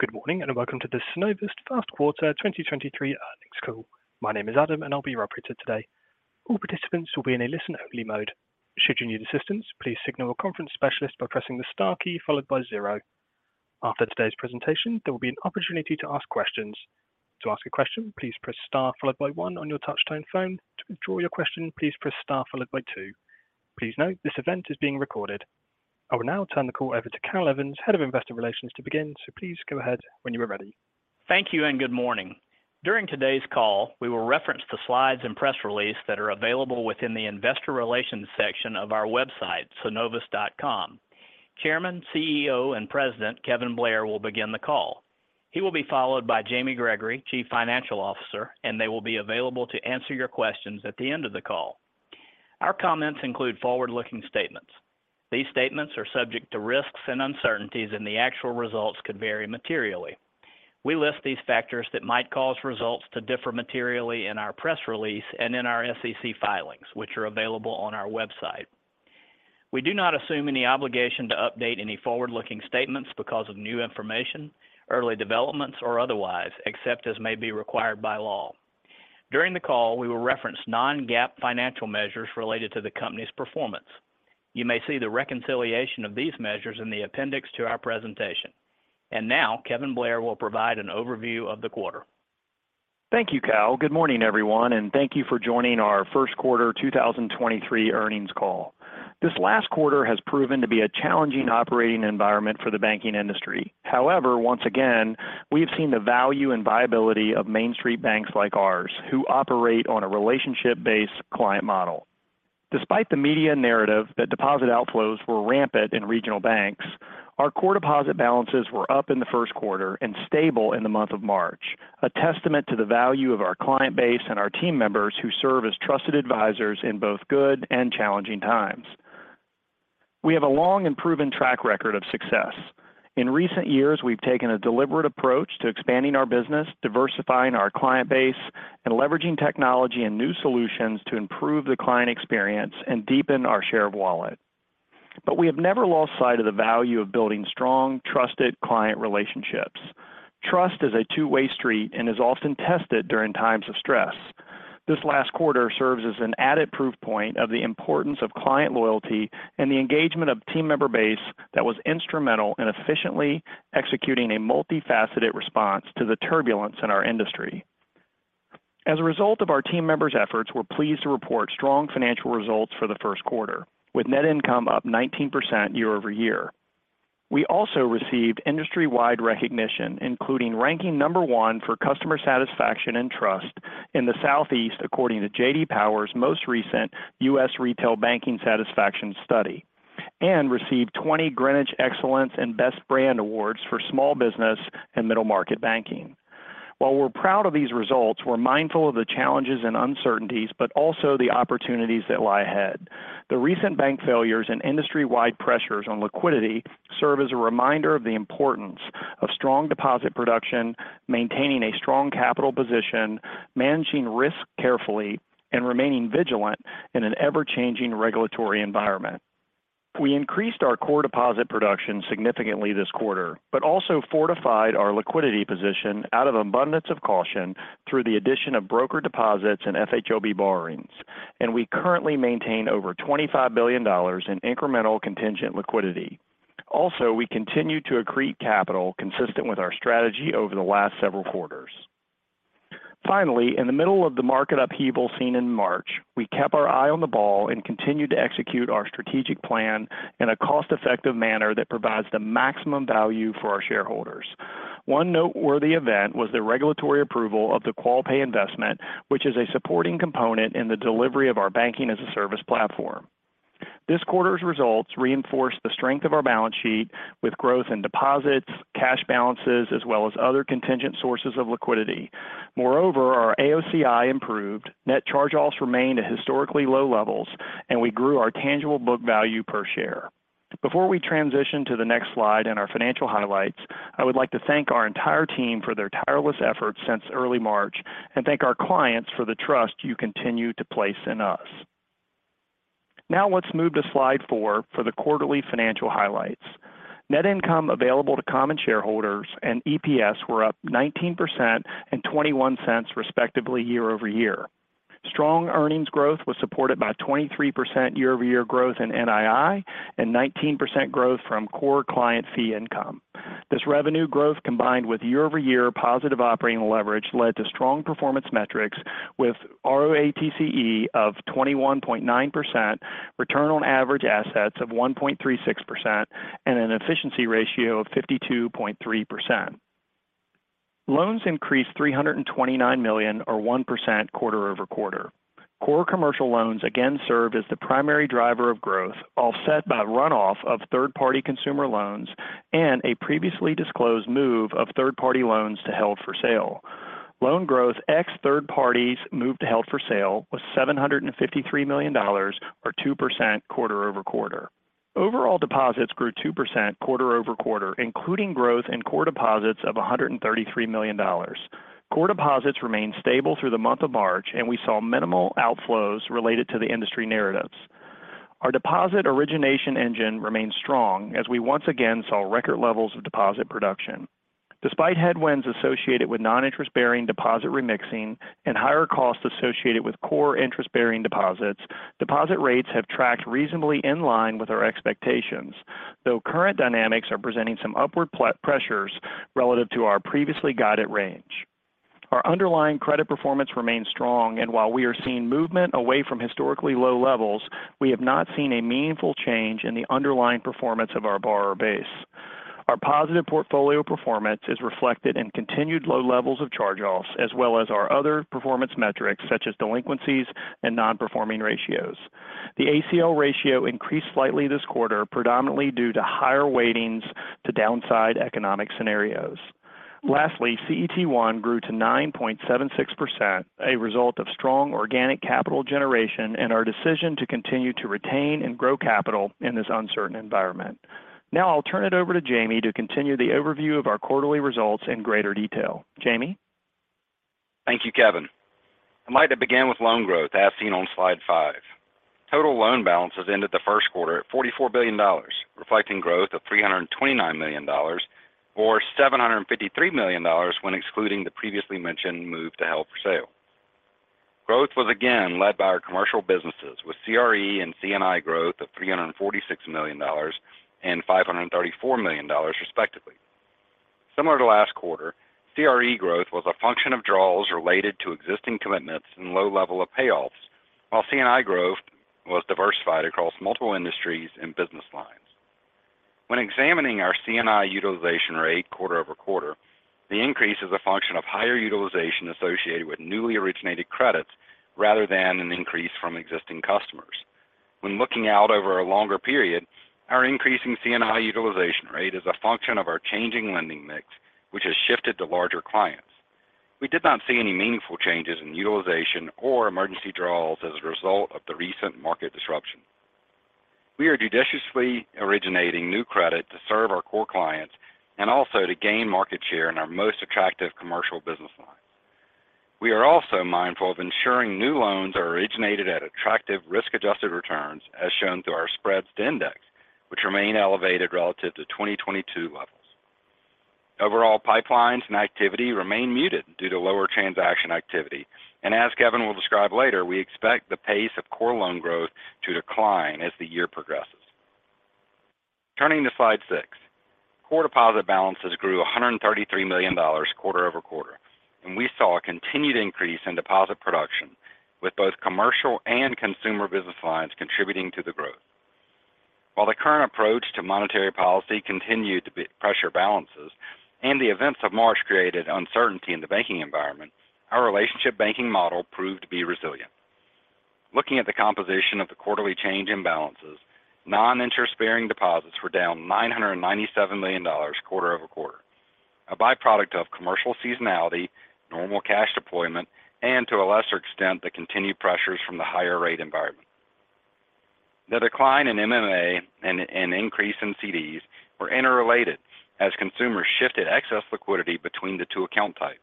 Good morning, welcome to the Synovus first quarter 2023 earnings call. My name is Adam, and I'll be your operator today. All participants will be in a listen-only mode. Should you need assistance, please signal a conference specialist by pressing the star key followed by zero. After today's presentation, there will be an opportunity to ask questions. To ask a question, please press Star followed by one on your touchtone phone. To withdraw your question, please press Star followed by two. Please note, this event is being recorded. I will now turn the call over to Cal Evans, Head of Investor Relations, to begin. Please go ahead when you are ready. Thank you, and good morning. During today's call, we will reference the slides and press release that are available within the Investor Relations section of our website, Synovus.com. Chairman, CEO, and President Kevin Blair will begin the call. He will be followed by Jamie Gregory, Chief Financial Officer, and they will be available to answer your questions at the end of the call. Our comments include forward-looking statements. These statements are subject to risks and uncertainties, and the actual results could vary materially. We list these factors that might cause results to differ materially in our press release and in our SEC filings, which are available on our website. We do not assume any obligation to update any forward-looking statements because of new information, early developments, or otherwise, except as may be required by law. During the call, we will reference non-GAAP financial measures related to the company's performance. You may see the reconciliation of these measures in the appendix to our presentation. Now Kevin Blair will provide an overview of the quarter. Thank you, Cal. Good morning, everyone, and thank you for joining our first quarter 2023 earnings call. This last quarter has proven to be a challenging operating environment for the banking industry. However, once again, we've seen the value and viability of Main Street banks like ours, who operate on a relationship-based client model. Despite the media narrative that deposit outflows were rampant in regional banks, our core deposit balances were up in the first quarter and stable in the month of March, a testament to the value of our client base and our team members who serve as trusted advisors in both good and challenging times. We have a long and proven track record of success. In recent years, we've taken a deliberate approach to expanding our business, diversifying our client base, and leveraging technology and new solutions to improve the client experience and deepen our share of wallet. We have never lost sight of the value of building strong, trusted client relationships. Trust is a two-way street and is often tested during times of stress. This last quarter serves as an added proof point of the importance of client loyalty and the engagement of team member base that was instrumental in efficiently executing a multifaceted response to the turbulence in our industry. As a result of our team members' efforts, we're pleased to report strong financial results for the first quarter, with net income up 19% year-over-year. We also received industry-wide recognition, including ranking number one for customer satisfaction and trust in the Southeast according to J.D. Power's most recent U.S. Retail Banking Satisfaction Study, and received 20 Greenwich Excellence and Best Brand Awards for small business and middle market banking. While we're proud of these results, we're mindful of the challenges and uncertainties, but also the opportunities that lie ahead. The recent bank failures and industry-wide pressures on liquidity serve as a reminder of the importance of strong deposit production, maintaining a strong capital position, managing risk carefully, and remaining vigilant in an ever-changing regulatory environment. We increased our core deposit production significantly this quarter, but also fortified our liquidity position out of abundance of caution through the addition of broker deposits and FHLB borrowings, and we currently maintain over $25 billion in incremental contingent liquidity. We continue to accrete capital consistent with our strategy over the last several quarters. Finally, in the middle of the market upheaval seen in March, we kept our eye on the ball and continued to execute our strategic plan in a cost-effective manner that provides the maximum value for our shareholders. One noteworthy event was the regulatory approval of the Qualpay investment, which is a supporting component in the delivery of our Banking-as-a-Service platform. This quarter's results reinforce the strength of our balance sheet with growth in deposits, cash balances, as well as other contingent sources of liquidity. Moreover, our AOCI improved, net charge-offs remained at historically low levels, and we grew our tangible book value per share. Before we transition to the next slide and our financial highlights, I would like to thank our entire team for their tireless efforts since early March and thank our clients for the trust you continue to place in us. Now let's move to slide four for the quarterly financial highlights. Net income available to common shareholders and EPS were up 19% and $0.21, respectively, year-over-year. Strong earnings growth was supported by a 23% year-over-year growth in NII and 19% growth from core client fee income. This revenue growth, combined with year-over-year positive operating leverage, led to strong performance metrics with ROATCE of 21.9%, return on average assets of 1.36%, and an efficiency ratio of 52.3%. Loans increased $329 million or 1% quarter-over-quarter. Core commercial loans again served as the primary driver of growth, offset by runoff of third-party consumer loans and a previously disclosed move of third-party loans to held for sale. Loan growth ex third parties moved to held for sale was $753 million or 2% quarter-over-quarter. Overall deposits grew 2% quarter-over-quarter, including growth in core deposits of $133 million. Core deposits remained stable through the month of March, and we saw minimal outflows related to the industry narratives. Our deposit origination engine remains strong as we once again saw record levels of deposit production. Despite headwinds associated with non-interest-bearing deposit remixing and higher costs associated with core interest-bearing deposits, deposit rates have tracked reasonably in line with our expectations, though current dynamics are presenting some upward pressures relative to our previously guided range. Our underlying credit performance remains strong, and while we are seeing movement away from historically low levels, we have not seen a meaningful change in the underlying performance of our borrower base. Our positive portfolio performance is reflected in continued low levels of charge-offs, as well as our other performance metrics, such as delinquencies and non-performing ratios. The ACL ratio increased slightly this quarter, predominantly due to higher weightings to downside economic scenarios. CET1 grew to 9.76%, a result of strong organic capital generation and our decision to continue to retain and grow capital in this uncertain environment. I'll turn it over to Jamie to continue the overview of our quarterly results in greater detail. Jamie? Thank you, Kevin. I'd like to begin with loan growth as seen on slide five. Total loan balances ended the first quarter at $44 billion, reflecting growth of $329 million or $753 million when excluding the previously mentioned move to held for sale. Growth was again led by our commercial businesses, with CRE and C&I growth of $346 million and $534 million respectively. Similar to last quarter, CRE growth was a function of draws related to existing commitments and low level of payoffs, while C&I growth was diversified across multiple industries and business lines. When examining our C&I utilization rate quarter-over-quarter, the increase is a function of higher utilization associated with newly originated credits rather than an increase from existing customers. When looking out over a longer period, our increasing C&I utilization rate is a function of our changing lending mix, which has shifted to larger clients. We did not see any meaningful changes in utilization or emergency draws as a result of the recent market disruption. We are judiciously originating new credit to serve our core clients and also to gain market share in our most attractive commercial business lines. We are also mindful of ensuring new loans are originated at attractive risk-adjusted returns, as shown through our spreads to index, which remain elevated relative to 2022 levels. Overall pipelines and activity remain muted due to lower transaction activity. As Kevin will describe later, we expect the pace of core loan growth to decline as the year progresses. Turning to slide six. Core deposit balances grew $133 million quarter-over-quarter. We saw a continued increase in deposit production, with both commercial and consumer business lines contributing to the growth. While the current approach to monetary policy continued to be pressure balances and the events of March created uncertainty in the banking environment, our relationship banking model proved to be resilient. Looking at the composition of the quarterly change in balances, non-interest bearing deposits were down $997 million quarter-over-quarter, a byproduct of commercial seasonality, normal cash deployment, and to a lesser extent, the continued pressures from the higher rate environment. The decline in MMA and increase in CDs were interrelated as consumers shifted excess liquidity between the two account types.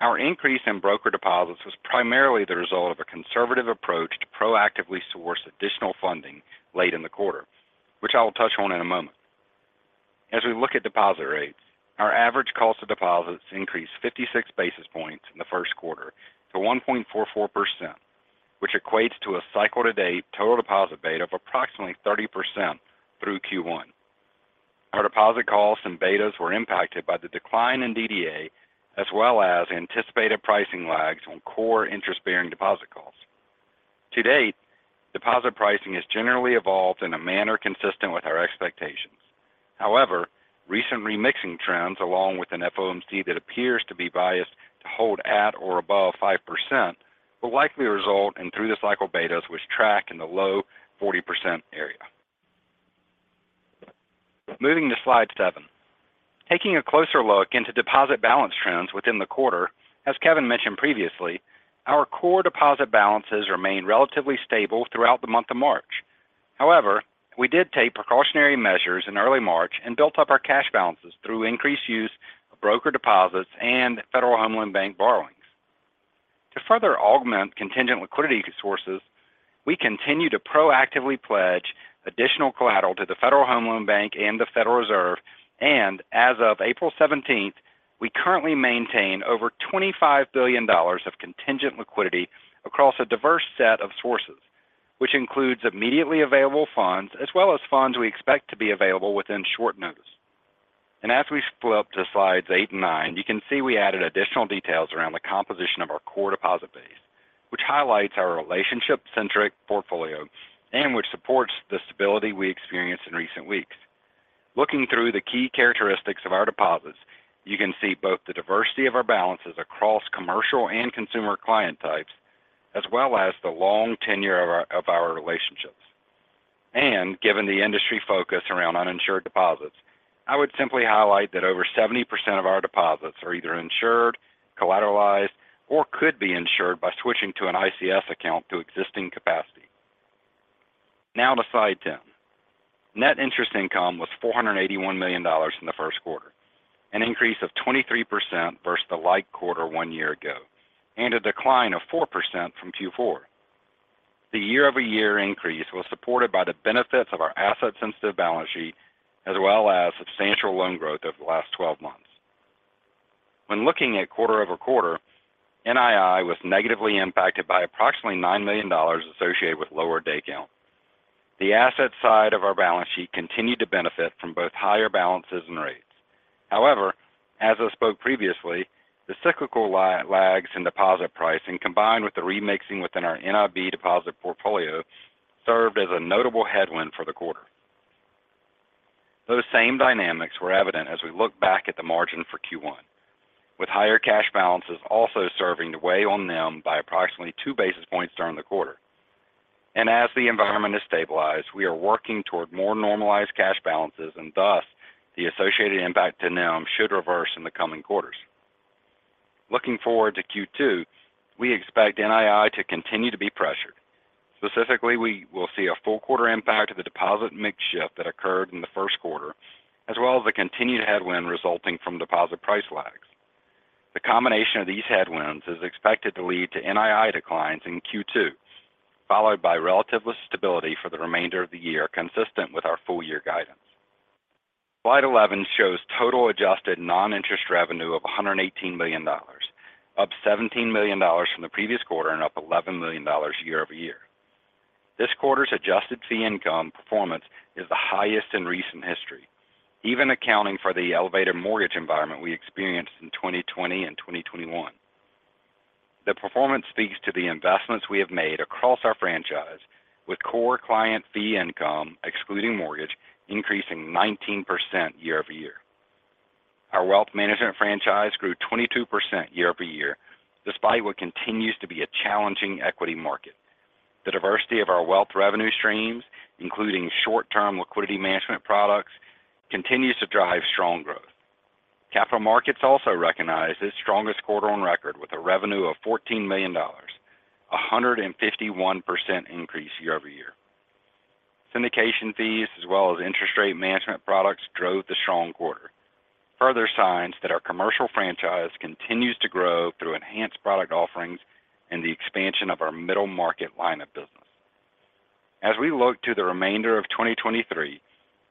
Our increase in broker deposits was primarily the result of a conservative approach to proactively source additional funding late in the quarter, which I'll touch on in a moment. We look at deposit rates, our average cost of deposits increased 56 basis points in the first quarter to 1.44%, which equates to a cycle to date total deposit beta of approximately 30% through Q1. Our deposit costs and betas were impacted by the decline in DDA as well as anticipated pricing lags on core interest-bearing deposit costs. To date, deposit pricing has generally evolved in a manner consistent with our expectations. Recent remixing trends along with an FOMC that appears to be biased to hold at or above 5% will likely result in through the cycle betas which track in the low 40% area. Moving to slide seven. Taking a closer look into deposit balance trends within the quarter, as Kevin mentioned previously, our core deposit balances remained relatively stable throughout the month of March. However, we did take precautionary measures in early March and built up our cash balances through increased use of broker deposits and Federal Home Loan Bank borrowings. To further augment contingent liquidity sources, we continue to proactively pledge additional collateral to the Federal Home Loan Bank and the Federal Reserve. As of April 17th, we currently maintain over $25 billion of contingent liquidity across a diverse set of sources, which includes immediately available funds as well as funds we expect to be available within short notice. As we flip to slides eight and nine, you can see we added additional details around the composition of our core deposit base, which highlights our relationship-centric portfolio and which supports the stability we experienced in recent weeks. Looking through the key characteristics of our deposits, you can see both the diversity of our balances across commercial and consumer client types, as well as the long tenure of our relationships. Given the industry focus around uninsured deposits, I would simply highlight that over 70% of our deposits are either insured, collateralized, or could be insured by switching to an ICS account to existing capacity. To slide 10. Net interest income was $481 million in the first quarter, an increase of 23% versus the like quarter one year ago, and a decline of 4% from Q4. The year-over-year increase was supported by the benefits of our asset-sensitive balance sheet as well as substantial loan growth over the last 12 months. When looking at quarter-over-quarter, NII was negatively impacted by approximately $9 million associated with lower day count. The asset side of our balance sheet continued to benefit from both higher balances and rates. However, as I spoke previously, the cyclical lags in deposit pricing, combined with the remixing within our NIB deposit portfolio, served as a notable headwind for the quarter. Those same dynamics were evident as we look back at the margin for Q1, with higher cash balances also serving to weigh on them by approximately two basis points during the quarter. As the environment is stabilized, we are working toward more normalized cash balances, and thus, the associated impact to NIM should reverse in the coming quarters. Looking forward to Q2, we expect NII to continue to be pressured. Specifically, we will see a full quarter impact of the deposit mix shift that occurred in the first quarter, as well as the continued headwind resulting from deposit price lags. The combination of these headwinds is expected to lead to NII declines in Q2, followed by relative stability for the remainder of the year, consistent with our full year guidance. Slide 11 shows total adjusted non-interest revenue of $118 million, up $17 million from the previous quarter and up $11 million year-over-year. This quarter's adjusted fee income performance is the highest in recent history, even accounting for the elevated mortgage environment we experienced in 2020 and 2021. The performance speaks to the investments we have made across our franchise with core client fee income, excluding mortgage, increasing 19% year-over-year. Our wealth management franchise grew 22% year-over-year, despite what continues to be a challenging equity market. The diversity of our wealth revenue streams, including short-term liquidity management products, continues to drive strong growth. Capital markets also recognized its strongest quarter on record with a revenue of $14 million, a 151% increase year-over-year. Syndication fees, as well as interest rate management products, drove the strong quarter. Further signs that our commercial franchise continues to grow through enhanced product offerings and the expansion of our middle market line of business. As we look to the remainder of 2023,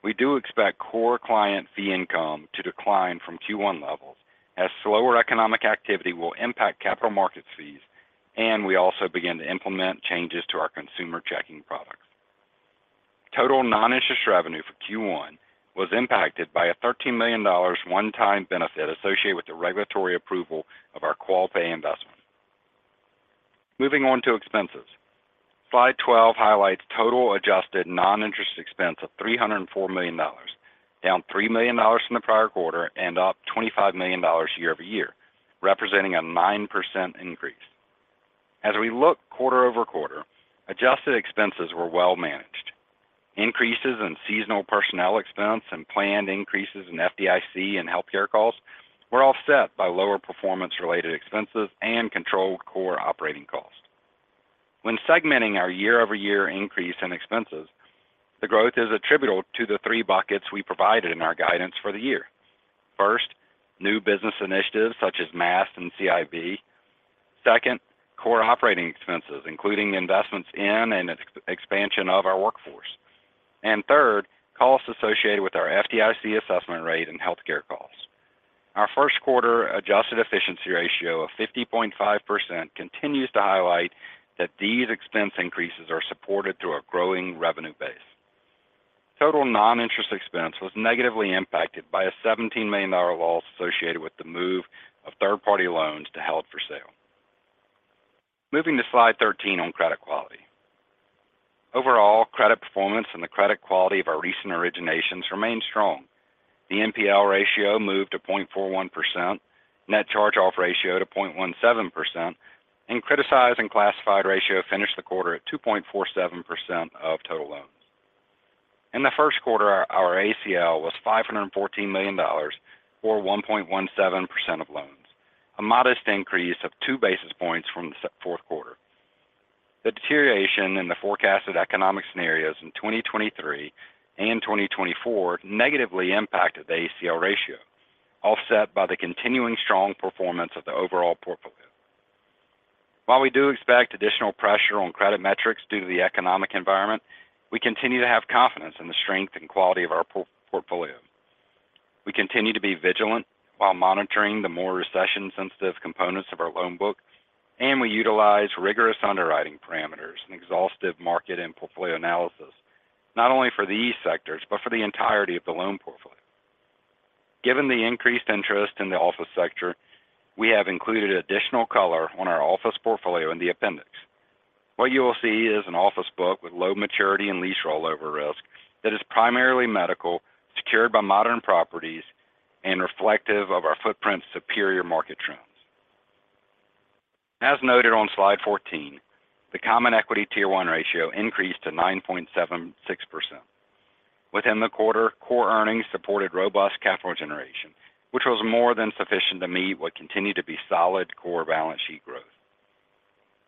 we do expect core client fee income to decline from Q1 levels as slower economic activity will impact capital markets fees, and we also begin to implement changes to our consumer checking products. Total non-interest revenue for Q1 was impacted by a $13 million one-time benefit associated with the regulatory approval of our Qualpay investment. Moving on to expenses. Slide 12 highlights total adjusted non-interest expense of $304 million, down $3 million from the prior quarter and up $25 million year-over-year, representing a 9% increase. As we look quarter-over-quarter, adjusted expenses were well managed. Increases in seasonal personnel expense and planned increases in FDIC and healthcare costs were all set by lower performance-related expenses and controlled core operating costs. When segmenting our year-over-year increase in expenses, the growth is attributable to the 3 buckets we provided in our guidance for the year. First, new business initiatives such as MaaSt and CIB. Second, core operating expenses, including the investments in and ex-expansion of our workforce. Third, costs associated with our FDIC assessment rate and healthcare costs. Our first quarter adjusted efficiency ratio of 50.5% continues to highlight that these expense increases are supported through a growing revenue base. Total non-interest expense was negatively impacted by a $17 million loss associated with the move of third-party loans to held for sale. Moving to slide 13 on credit quality. Overall, credit performance and the credit quality of our recent originations remain strong. The NPL ratio moved to 0.41%, net charge-off ratio to 0.17%, criticized and classified ratio finished the quarter at 2.47% of total loans. In the first quarter, our ACL was $514 million, or 1.17% of loans, a modest increase of 2 basis points from the fourth quarter. The deterioration in the forecasted economic scenarios in 2023 and 2024 negatively impacted the ACL ratio, offset by the continuing strong performance of the overall portfolio. We continue to be vigilant while monitoring the more recession-sensitive components of our loan book, and we utilize rigorous underwriting parameters and exhaustive market and portfolio analysis, not only for these sectors, but for the entirety of the loan portfolio. Given the increased interest in the office sector, we have included additional color on our office portfolio in the appendix. What you will see is an office book with low maturity and lease rollover risk that is primarily medical, secured by modern properties, and reflective of our footprint's superior market trends. As noted on slide 14, the common equity Tier 1 ratio increased to 9.76%. Within the quarter, core earnings supported robust capital generation, which was more than sufficient to meet what continued to be solid core balance sheet growth.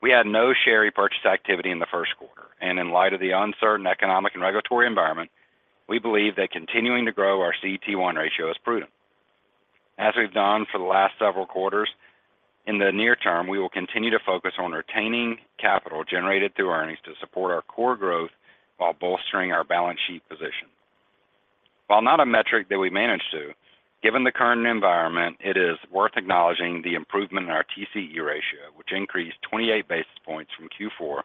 We had no share repurchase activity in the first quarter. In light of the uncertain economic and regulatory environment, we believe that continuing to grow our CET1 ratio is prudent. As we've done for the last several quarters, in the near term, we will continue to focus on retaining capital generated through earnings to support our core growth while bolstering our balance sheet position. While not a metric that we manage to, given the current environment, it is worth acknowledging the improvement in our TCE ratio, which increased 28 basis points from Q4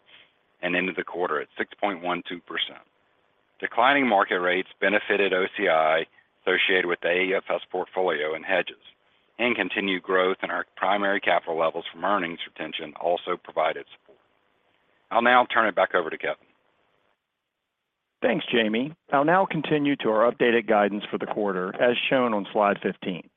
and ended the quarter at 6.12%. Declining market rates benefited OCI associated with the AFS portfolio and hedges, and continued growth in our primary capital levels from earnings retention also provided support. I'll now turn it back over to Kevin. Thanks, Jamie. I'll now continue to our updated guidance for the quarter, as shown on slide 15.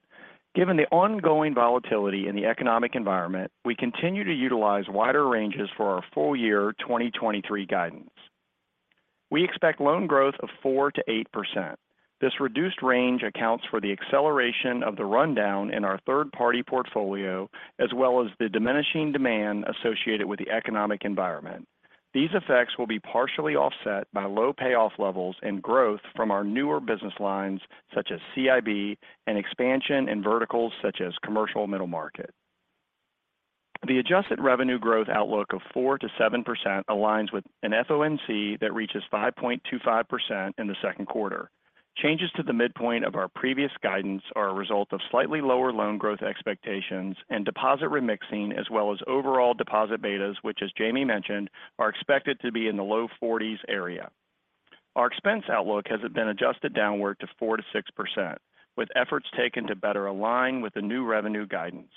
Given the ongoing volatility in the economic environment, we continue to utilize wider ranges for our full year 2023 guidance. We expect loan growth of 4%-8%. This reduced range accounts for the acceleration of the rundown in our third-party portfolio, as well as the diminishing demand associated with the economic environment. These effects will be partially offset by low payoff levels and growth from our newer business lines, such as CIB and expansion in verticals such as commercial middle market. The adjusted revenue growth outlook of 4%-7% aligns with an FOMC that reaches 5.25% in the second quarter. Changes to the midpoint of our previous guidance are a result of slightly lower loan growth expectations and deposit remixing, as well as overall deposit betas, which as Jamie mentioned, are expected to be in the low 40s area. Our expense outlook has been adjusted downward to 4%-6%, with efforts taken to better align with the new revenue guidance.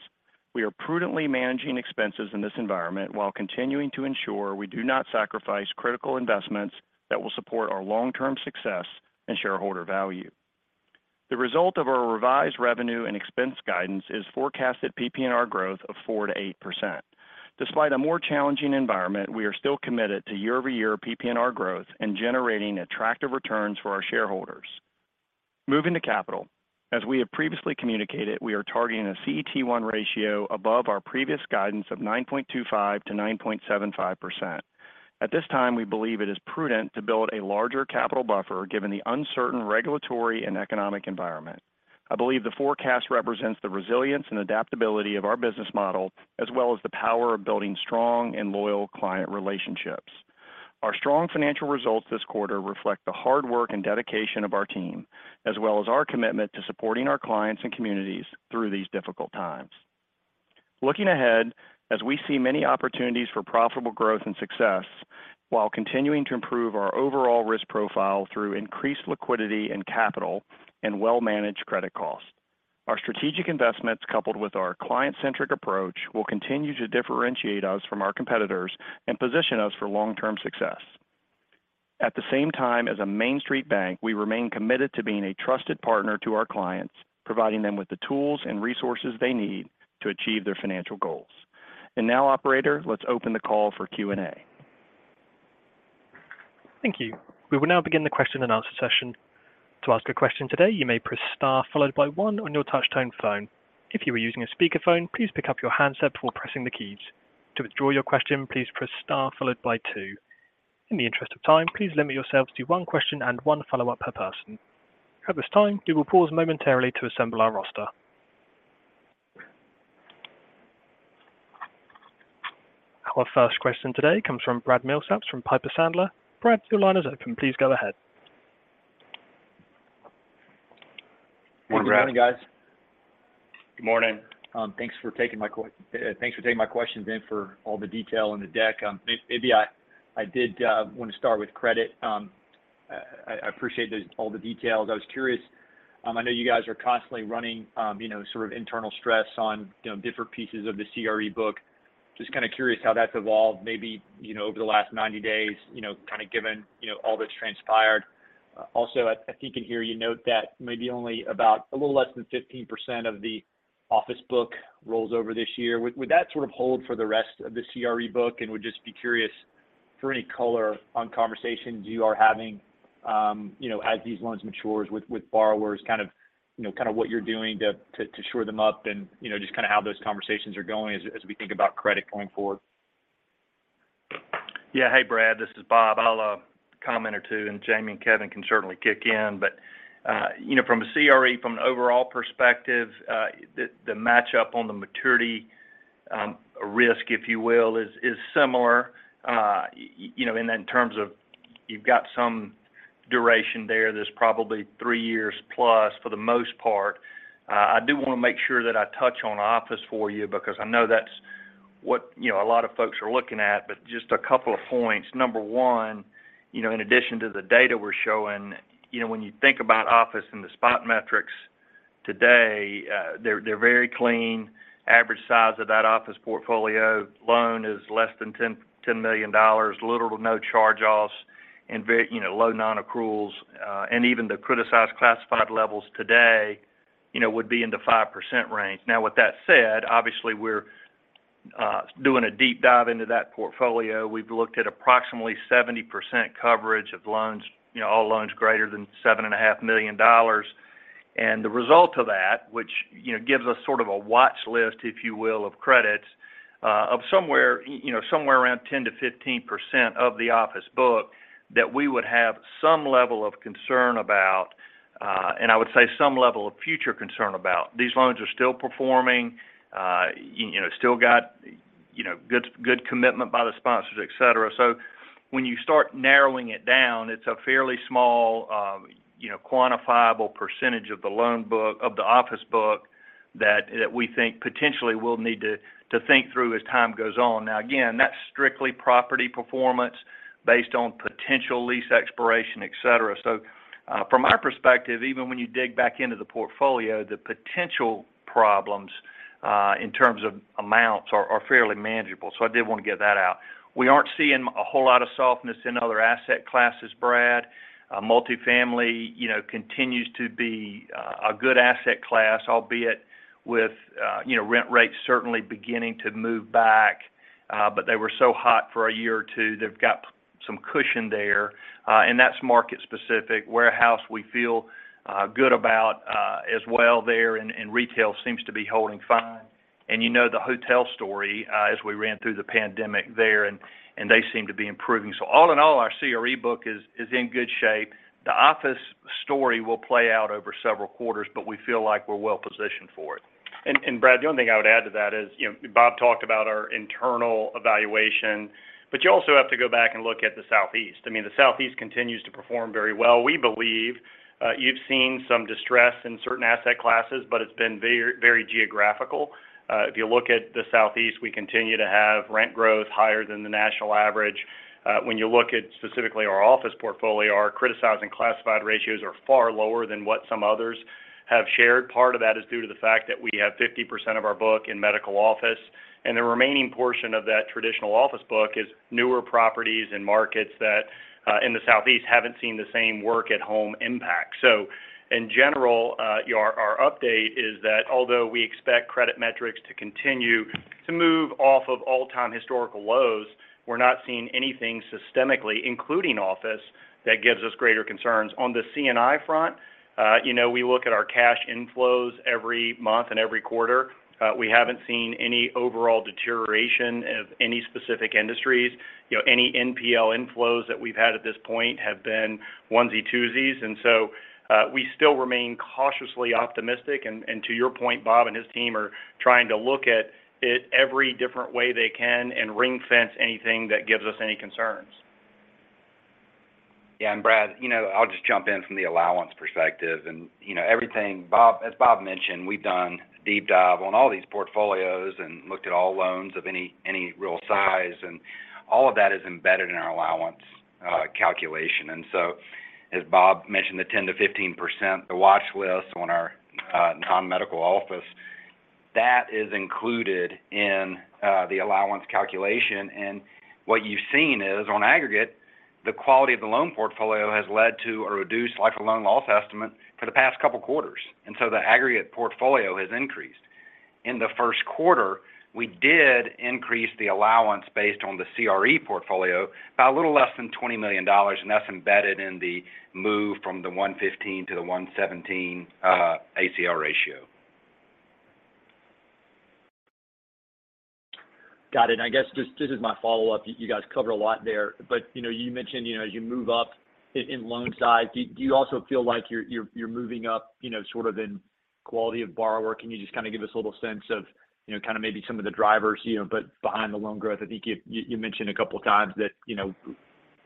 We are prudently managing expenses in this environment while continuing to ensure we do not sacrifice critical investments that will support our long-term success and shareholder value. The result of our revised revenue and expense guidance is forecasted PPNR growth of 4%-8%. Despite a more challenging environment, we are still committed to year-over-year PPNR growth and generating attractive returns for our shareholders. Moving to capital. As we have previously communicated, we are targeting a CET1 ratio above our previous guidance of 9.25%-9.75%. At this time, we believe it is prudent to build a larger capital buffer given the uncertain regulatory and economic environment. I believe the forecast represents the resilience and adaptability of our business model, as well as the power of building strong and loyal client relationships. Our strong financial results this quarter reflect the hard work and dedication of our team, as well as our commitment to supporting our clients and communities through these difficult times. Looking ahead, as we see many opportunities for profitable growth and success while continuing to improve our overall risk profile through increased liquidity and capital and well-managed credit costs. Our strategic investments, coupled with our client-centric approach, will continue to differentiate us from our competitors and position us for long-term success. At the same time, as a main street bank, we remain committed to being a trusted partner to our clients, providing them with the tools and resources they need to achieve their financial goals. Now, operator, let's open the call for Q&A. Thank you. We will now begin the question and answer session. To ask a question today, you may press star followed by one on your touch-tone phone. If you are using a speakerphone, please pick up your handset before pressing the keys. To withdraw your question, please press star followed by two. In the interest of time, please limit yourselves to one question and one follow-up per person. At this time, we will pause momentarily to assemble our roster. Our first question today comes from Bradley Milsaps from Piper Sandler. Brad, your line is open. Please go ahead. Morning, Brad. Good morning, guys. Good morning. Thanks for taking my questions then for all the detail in the deck. Maybe I did want to start with credit. I appreciate the, all the details. I was curious. I know you guys are constantly running, you know, sort of internal stress on, you know, different pieces of the CRE book. Just kind of curious how that's evolved, maybe, you know, over the last 90 days, you know, kind of given, you know, all that's transpired. Also, I think in here you note that maybe only about a little less than 15% of the office book rolls over this year. Would that sort of hold for the rest of the CRE book? Would just be curious for any color on conversations you are having, you know, as these loans matures with borrowers, kind of, you know, kind of what you're doing to shore them up and, you know, just kind of how those conversations are going as we think about credit going forward. Hey, Brad. This is Bob. I'll comment or two, and Jamie and Kevin can certainly kick in. You know, from a CRE, from an overall perspective, the match up on the maturity risk, if you will, is similar, you know, in terms of you've got some duration there that's probably 3 years plus for the most part. I do wanna make sure that I touch on office for you because I know that's what, you know, a lot of folks are looking at. Just a couple of points. Number one, you know, in addition to the data we're showing, you know, when you think about office and the spot metrics today, they're very clean. Average size of that office portfolio loan is less than $10 million, little to no charge-offs and you know, low non-accruals. Even the criticized classified levels today, you know, would be in the 5% range. Now with that said, obviously we're doing a deep dive into that portfolio. We've looked at approximately 70% coverage of loans, you know, all loans greater than $7.5 million. The result of that, which, you know, gives us sort of a watch list, if you will, of credits, of somewhere, you know, around 10%-15% of the office book that we would have some level of concern about, and I would say some level of future concern about. These loans are still performing, you know, still got, you know, good commitment by the sponsors, et cetera. When you start narrowing it down, it's a fairly small, you know, quantifiable percentage of the office book that we think potentially we'll need to think through as time goes on. Now, again, that's strictly property performance based on potential lease expiration, et cetera. From our perspective, even when you dig back into the portfolio, the potential problems, in terms of amounts are fairly manageable. I did want to get that out. We aren't seeing a whole lot of softness in other asset classes, Brad. Multifamily, you know, continues to be a good asset class, albeit with, you know, rent rates certainly beginning to move back. But they were so hot for a year or two, they've got some cushion there, and that's market specific. Warehouse we feel good about as well there, and retail seems to be holding fine. You know the hotel story as we ran through the pandemic there and they seem to be improving. All in all, our CRE book is in good shape. The office story will play out over several quarters, but we feel like we're well positioned for it. Brad, the only thing I would add to that is, you know, Bob talked about our internal evaluation, but you also have to go back and look at the Southeast. I mean, the Southeast continues to perform very well. We believe, you've seen some distress in certain asset classes, but it's been very, very geographical. If you look at the Southeast, we continue to have rent growth higher than the national average. When you look at specifically our office portfolio, our criticizing classified ratios are far lower than what some others have shared. Part of that is due to the fact that we have 50% of our book in medical office, and the remaining portion of that traditional office book is newer properties and markets that, in the Southeast haven't seen the same work-at-home impact. In general, our update is that although we expect credit metrics to continue to move off of all-time historical lows, we're not seeing anything systemically, including office, that gives us greater concerns. On the C&I front, you know, we look at our cash inflows every month and every quarter. We haven't seen any overall deterioration of any specific industries. You know, any NPL inflows that we've had at this point have been onesie-twosies. We still remain cautiously optimistic. To your point, Bob and his team are trying to look at it every different way they can and ring-fence anything that gives us any concerns. Yeah. Brad, you know, I'll just jump in from the allowance perspective. you know, everything as Bob mentioned, we've done a deep dive on all these portfolios and looked at all loans of any real size, and all of that is embedded in our allowance calculation. as Bob mentioned, the 10%-15%, the watch list on our non-medical office, that is included in the allowance calculation. What you've seen is on aggregate, the quality of the loan portfolio has led to a reduced life of loan loss estimate for the past couple quarters. The aggregate portfolio has increased. In the first quarter, we did increase the allowance based on the CRE portfolio by a little less than $20 million, and that's embedded in the move from the 1.15% to the 1.17% ACL ratio. Got it. I guess just, this is my follow-up. You guys covered a lot there, but, you know, you mentioned, you know, as you move up in loan size, do you also feel like you're moving up, you know, sort of in quality of borrower? Can you just kind of give us a little sense of, you know, kind of maybe some of the drivers, you know, but behind the loan growth? I think you mentioned a couple of times that, you know,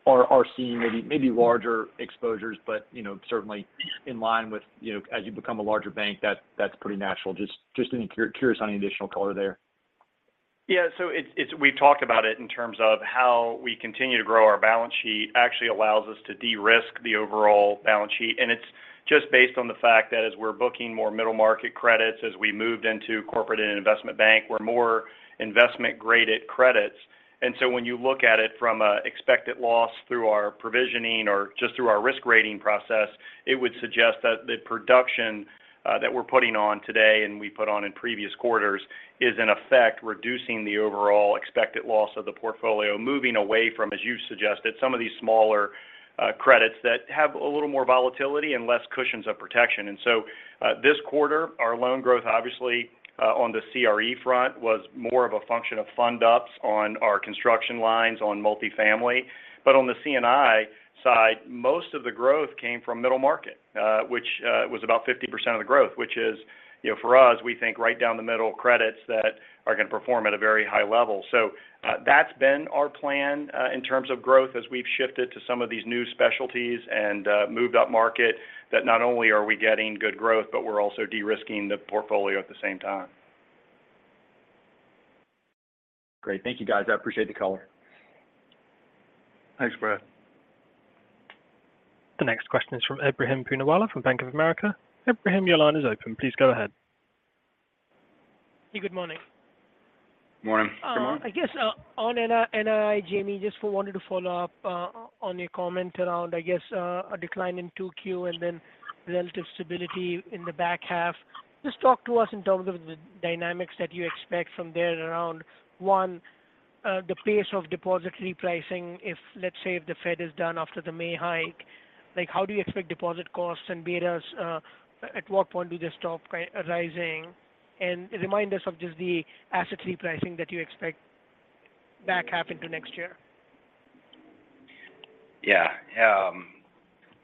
are seeing maybe larger exposures, but, you know, certainly in line with, you know, as you become a larger bank, that's pretty natural. Just curious on any additional color there. Yeah. We've talked about it in terms of how we continue to grow our balance sheet actually allows us to de-risk the overall balance sheet. It's just based on the fact that as we're booking more middle market credits, as we moved into Corporate and Investment Bank, we're more investment graded credits. When you look at it from an expected loss through our provisioning or just through our risk rating process, it would suggest that the production that we're putting on today and we put on in previous quarters is in effect reducing the overall expected loss of the portfolio, moving away from, as you suggested, some of these smaller credits that have a little more volatility and less cushions of protection. This quarter, our loan growth, obviously, on the CRE front was more of a function of fund ups on our construction lines on multifamily. On the C&I side, most of the growth came from middle market, which, was about 50% of the growth, which is, you know, for us, we think right down the middle credits that are going to perform at a very high level. That's been our plan, in terms of growth as we've shifted to some of these new specialties and, moved up market that not only are we getting good growth, but we're also de-risking the portfolio at the same time. Great. Thank you, guys. I appreciate the color. Thanks, Brad. The next question is from Ebrahim Poonawala from Bank of America. Ebrahim, your line is open. Please go ahead. Hey, good morning. Morning. Good morning. I guess, on NI, Jamie, just wanted to follow up on your comment around, I guess, a decline in 2Q and then relative stability in the back half. Just talk to us in terms of the dynamics that you expect from there around, 1, the pace of deposit repricing if, let's say, if the Fed is done after the May hike, like, how do you expect deposit costs and betas, at what point do they stop rising? Remind us of just the asset repricing that you expect back half into next year. Yeah.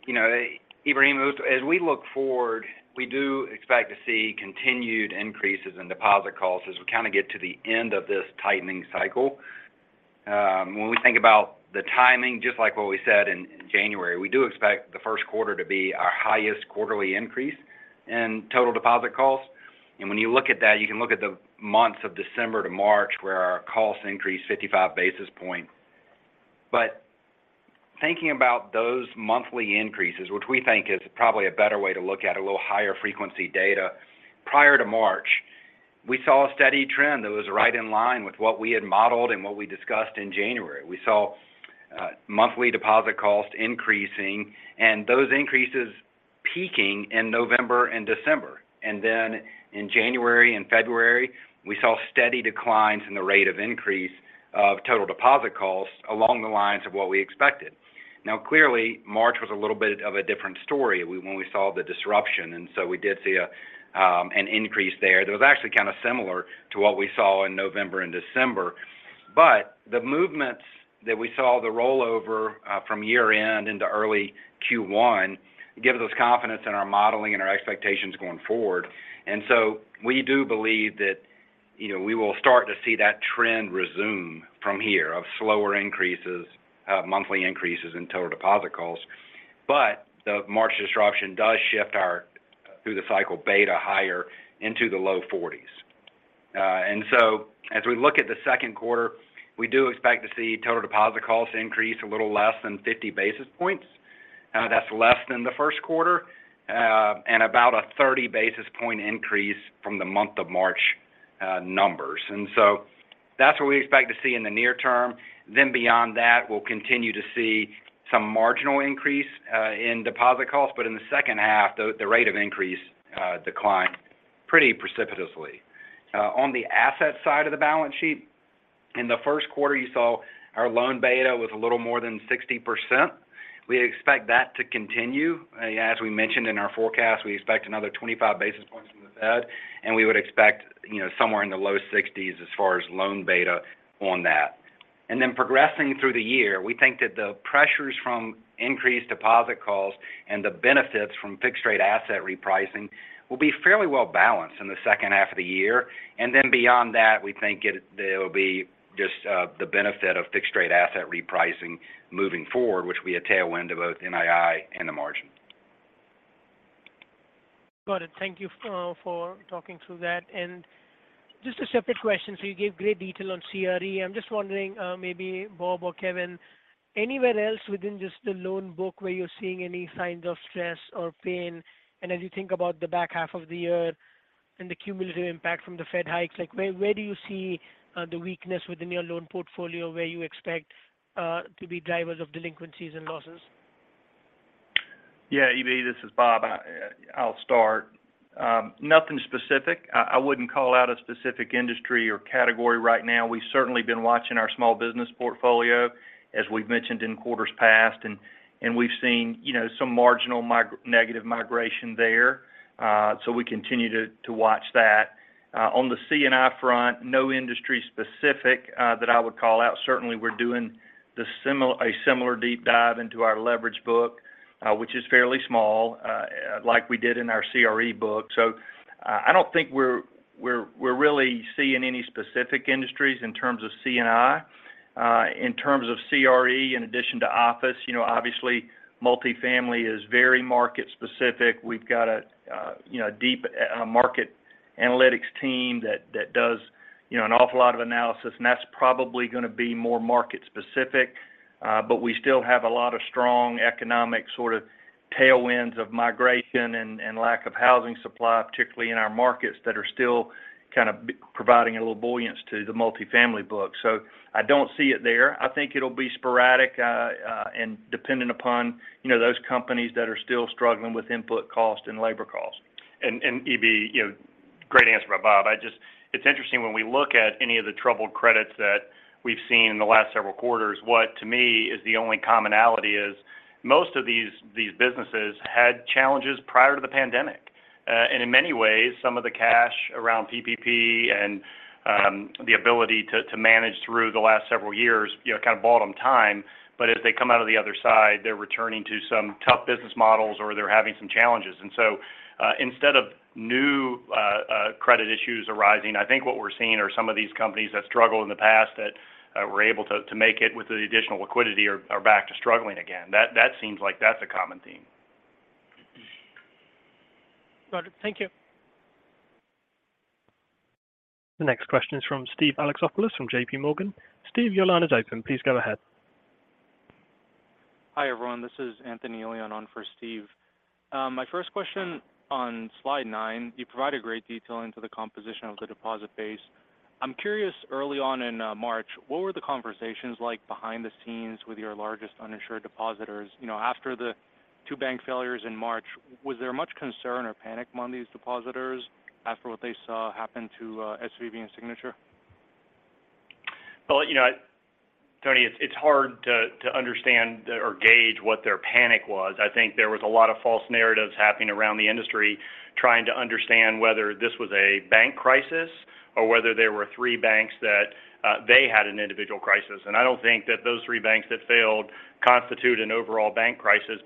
you know, Ebrahim, as we look forward, we do expect to see continued increases in deposit costs as we kind of get to the end of this tightening cycle. When we think about the timing, just like what we said in January, we do expect the first quarter to be our highest quarterly increase in total deposit costs. When you look at that, you can look at the months of December to March, where our costs increased 55 basis points. Thinking about those monthly increases, which we think is probably a better way to look at a little higher frequency data, prior to March, we saw a steady trend that was right in line with what we had modeled and what we discussed in January. We saw monthly deposit costs increasing and those increases peaking in November and December. In January and February, we saw steady declines in the rate of increase of total deposit costs along the lines of what we expected. March was a little bit of a different story when we saw the disruption, we did see an increase there that was actually kind of similar to what we saw in November and December. The movements that we saw the rollover from year-end into early Q1 give us confidence in our modeling and our expectations going forward. We do believe that, you know, we will start to see that trend resume from here of slower increases, monthly increases in total deposit costs. The March disruption does shift our through the cycle beta higher into the low 40s. As we look at the second quarter, we do expect to see total deposit costs increase a little less than 50 basis points. That's less than the first quarter, and about a 30 basis point increase from the month of March numbers. That's what we expect to see in the near term. Beyond that, we'll continue to see some marginal increase in deposit costs. In the second half, the rate of increase declined pretty precipitously. On the asset side of the balance sheet, in the first quarter, you saw our loan beta was a little more than 60%. We expect that to continue. As we mentioned in our forecast, we expect another 25 basis points from the Fed. We would expect, you know, somewhere in the low 60s as far as loan beta on that. Progressing through the year, we think that the pressures from increased deposit costs and the benefits from fixed-rate asset repricing will be fairly well balanced in the second half of the year. Beyond that, we think there'll be just the benefit of fixed-rate asset repricing moving forward, which will be a tailwind to both NII and the margin. Got it. Thank you for talking through that. Just a separate question. You gave great detail on CRE. I'm just wondering, maybe Bob or Kevin, anywhere else within just the loan book where you're seeing any signs of stress or pain? As you think about the back half of the year and the cumulative impact from the Fed hikes, like, where do you see the weakness within your loan portfolio where you expect to be drivers of delinquencies and losses? Yeah, IB, this is Bob. I'll start. Nothing specific. I wouldn't call out a specific industry or category right now. We've certainly been watching our small business portfolio, as we've mentioned in quarters past, we've seen, you know, some marginal negative migration there. We continue to watch that. On the C&I front, no industry specific that I would call out. Certainly, we're doing a similar deep dive into our leverage book, which is fairly small, like we did in our CRE book. I don't think we're really seeing any specific industries in terms of C&I. In terms of CRE, in addition to office, you know, obviously multifamily is very market specific. We've got a, you know, deep, market analytics team that does, you know, an awful lot of analysis, that's probably gonna be more market specific. We still have a lot of strong economic sort of tailwinds of migration and lack of housing supply, particularly in our markets that are still kind of providing a little buoyance to the multifamily book. I don't see it there. I think it'll be sporadic, and dependent upon, you know, those companies that are still struggling with input cost and labor cost. EB, you know, great answer by Bob. It's interesting when we look at any of the troubled credits that we've seen in the last several quarters, what to me is the only commonality is most of these businesses had challenges prior to the pandemic. In many ways, some of the cash around PPP and the ability to manage through the last several years, you know, kind of bought them time. As they come out of the other side, they're returning to some tough business models or they're having some challenges. Instead of new credit issues arising, I think what we're seeing are some of these companies that struggled in the past that were able to make it with the additional liquidity are back to struggling again. That seems like that's a common theme. Got it. Thank you. The next question is from Steven Alexopoulos from J.P Morgan. Steve, your line is open. Please go ahead. Hi, everyone. This is Anthony Leon on for Steve. My first question on slide 9, you provided great detail into the composition of the deposit base. I'm curious, early on in March, what were the conversations like behind the scenes with your largest uninsured depositors? You know, after the 2 bank failures in March. Was there much concern or panic among these depositors after what they saw happen to SVB and Signature? Well, you know, Tony, it's hard to understand or gauge what their panic was. I think there was a lot of false narratives happening around the industry trying to understand whether this was a bank crisis or whether there were three banks that they had an individual crisis. I don't think that those three banks that failed constitute an overall bank crisis.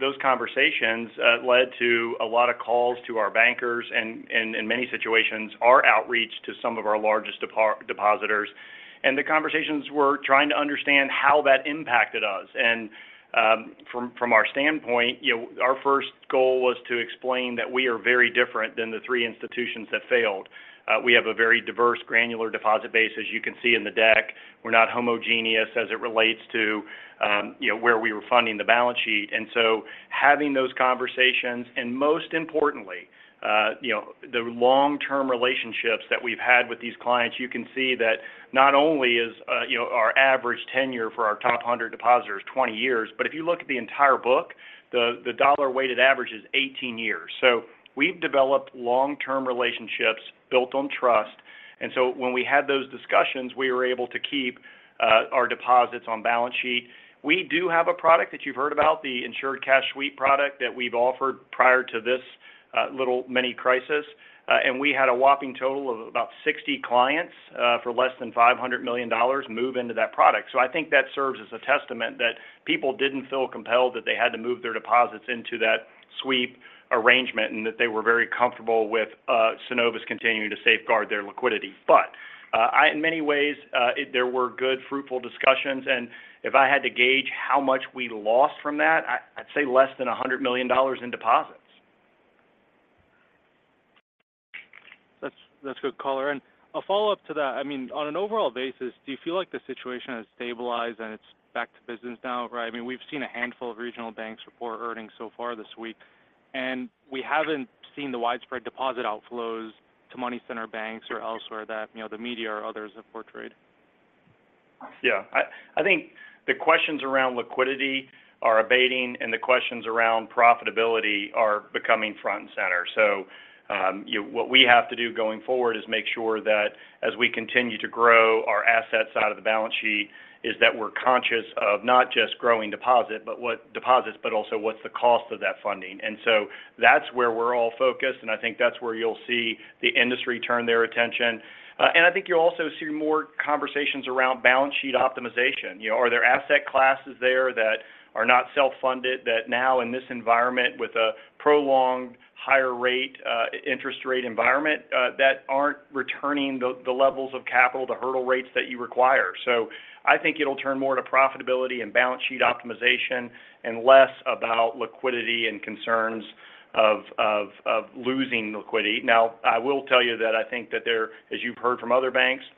Those conversations led to a lot of calls to our bankers and in many situations, our outreach to some of our largest depositors. The conversations were trying to understand how that impacted us. From our standpoint, you know, our first goal was to explain that we are very different than the three institutions that failed. We have a very diverse granular deposit base, as you can see in the deck. We're not homogeneous as it relates to, you know, where we were funding the balance sheet. Having those conversations, and most importantly, you know, the long-term relationships that we've had with these clients, you can see that not only is, you know, our average tenure for our top 100 depositors 20 years, but if you look at the entire book, the dollar weighted average is 18 years. We've developed long-term relationships built on trust. When we had those discussions, we were able to keep our deposits on balance sheet. We do have a product that you've heard about, the Insured Cash Sweep product that we've offered prior to this little mini crisis. We had a whopping total of about 60 clients for less than $500 million move into that product. I think that serves as a testament that people didn't feel compelled that they had to move their deposits into that sweep arrangement, and that they were very comfortable with Synovus continuing to safeguard their liquidity. In many ways, there were good, fruitful discussions, and if I had to gauge how much we lost from that, I'd say less than $100 million in deposits. That's good color. A follow-up to that. I mean, on an overall basis, do you feel like the situation has stabilized and it's back to business now, right? I mean, we've seen a handful of regional banks report earnings so far this week, we haven't seen the widespread deposit outflows to money center banks or elsewhere that, you know, the media or others have portrayed. I think the questions around liquidity are abating and the questions around profitability are becoming front and center. You know, what we have to do going forward is make sure that as we continue to grow our asset side of the balance sheet, is that we're conscious of not just growing deposit, but deposits, but also what's the cost of that funding. That's where we're all focused, and I think that's where you'll see the industry turn their attention. I think you'll also see more conversations around balance sheet optimization. You know, are there asset classes there that are not self-funded that now in this environment with a prolonged higher rate, interest rate environment, that aren't returning the levels of capital to hurdle rates that you require? I think it'll turn more to profitability and balance sheet optimization and less about liquidity and concerns of losing liquidity. Now, I will tell you that I think that there, as you've heard from other banks, there's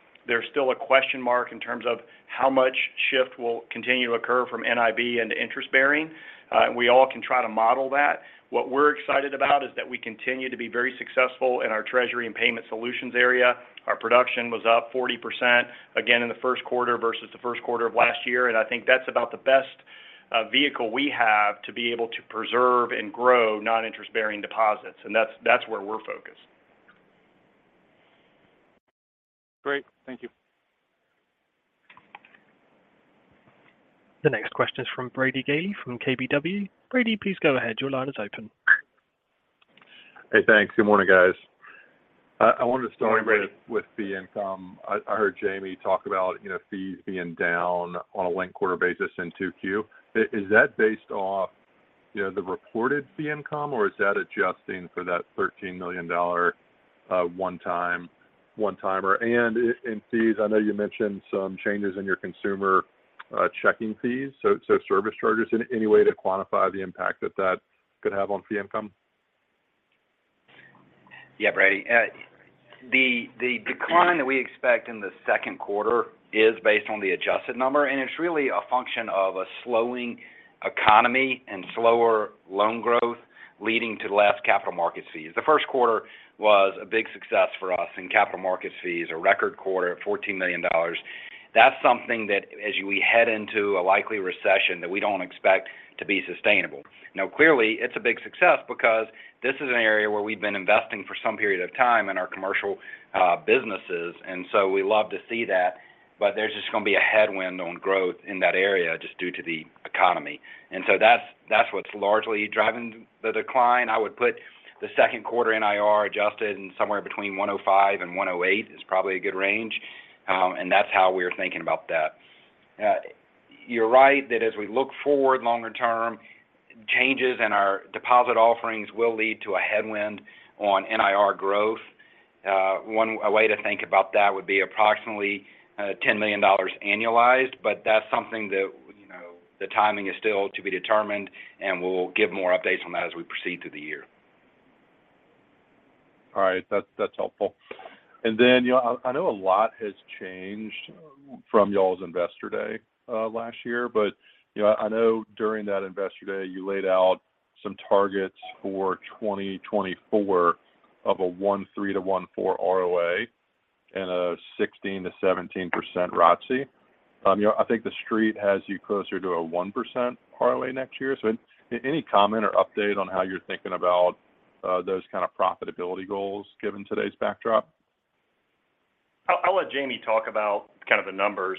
still a question mark in terms of how much shift will continue to occur from NIB into interest-bearing. We all can try to model that. What we're excited about is that we continue to be very successful in our treasury and payment solutions area. Our production was up 40% again in the first quarter versus the first quarter of last year. I think that's about the best vehicle we have to be able to preserve and grow non-interest-bearing deposits. That's where we're focused. Great. Thank you. The next question is from Brady Gailey from KBW. Brady, please go ahead. Your line is open. Thanks. Good morning, guys. I wanted to start with fee income. I heard Jamie talk about, you know, fees being down on a linked quarter basis in 2Q. Is that based off, you know, the reported fee income or is that adjusting for that $13 million one-time, one-timer? In fees, I know you mentioned some changes in your consumer checking fees, so service charges. Any way to quantify the impact that could have on fee income? Yeah, Brady. The decline that we expect in the second quarter is based on the adjusted number. It's really a function of a slowing economy and slower loan growth leading to less capital market fees. The first quarter was a big success for us in capital market fees, a record quarter of $14 million. That's something that as we head into a likely recession, that we don't expect to be sustainable. Now, clearly, it's a big success because this is an area where we've been investing for some period of time in our commercial businesses. We love to see that, but there's just gonna be a headwind on growth in that area just due to the economy. That's what's largely driving the decline. I would put the second quarter NIR adjusted in somewhere between 105 and 108 is probably a good range. That's how we're thinking about that. You're right that as we look forward longer term, changes in our deposit offerings will lead to a headwind on NIR growth. A way to think about that would be approximately, $10 million annualized, but that's something that, you know, the timing is still to be determined, and we'll give more updates on that as we proceed through the year. All right. That's helpful. Y'all, I know a lot has changed from y'all's Investor Day, last year. You know, I know during that Investor Day, you laid out some targets for 2024 of a 1.3%-1.4% ROA, a 16%-17% ROTCE. You know, I think the street has you closer to a 1% ROA next year. Any comment or update on how you're thinking about those kind of profitability goals given today's backdrop? I'll let Jamie talk about kind of the numbers,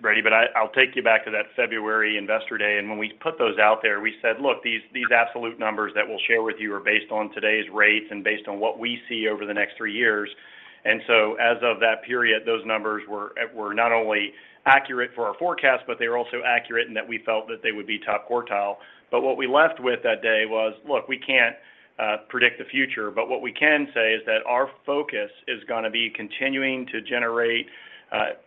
Brady, but I'll take you back to that February investor day. When we put those out there, we said, "Look, these absolute numbers that we'll share with you are based on today's rates and based on what we see over the next 3 years." As of that period, those numbers were not only accurate for our forecast, but they were also accurate and that we felt that they would be top quartile. What we left with that day was, look, we can't predict the future, but what we can say is that our focus is gonna be continuing to generate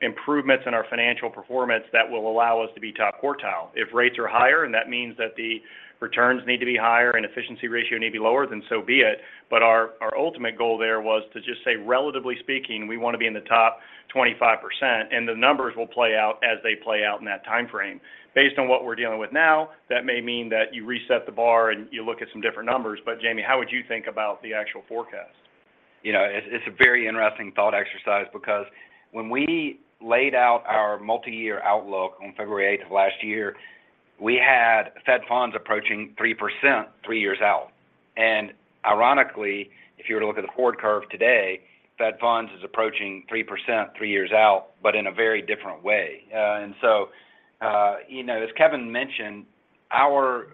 improvements in our financial performance that will allow us to be top quartile. If rates are higher and that means that the returns need to be higher and efficiency ratio need to be lower, then so be it. Our ultimate goal there was to just say, relatively speaking, we want to be in the top 25%, and the numbers will play out as they play out in that timeframe. Based on what we're dealing with now, that may mean that you reset the bar and you look at some different numbers. Jamie, how would you think about the actual forecast? You know, it's a very interesting thought exercise because when we laid out our multi-year outlook on February eighth of last year, we had Federal Funds approaching 3% 3 years out. Ironically, if you were to look at the forward curve today, Federal Funds is approaching 3% 3 years out, but in a very different way. You know, as Kevin mentioned, our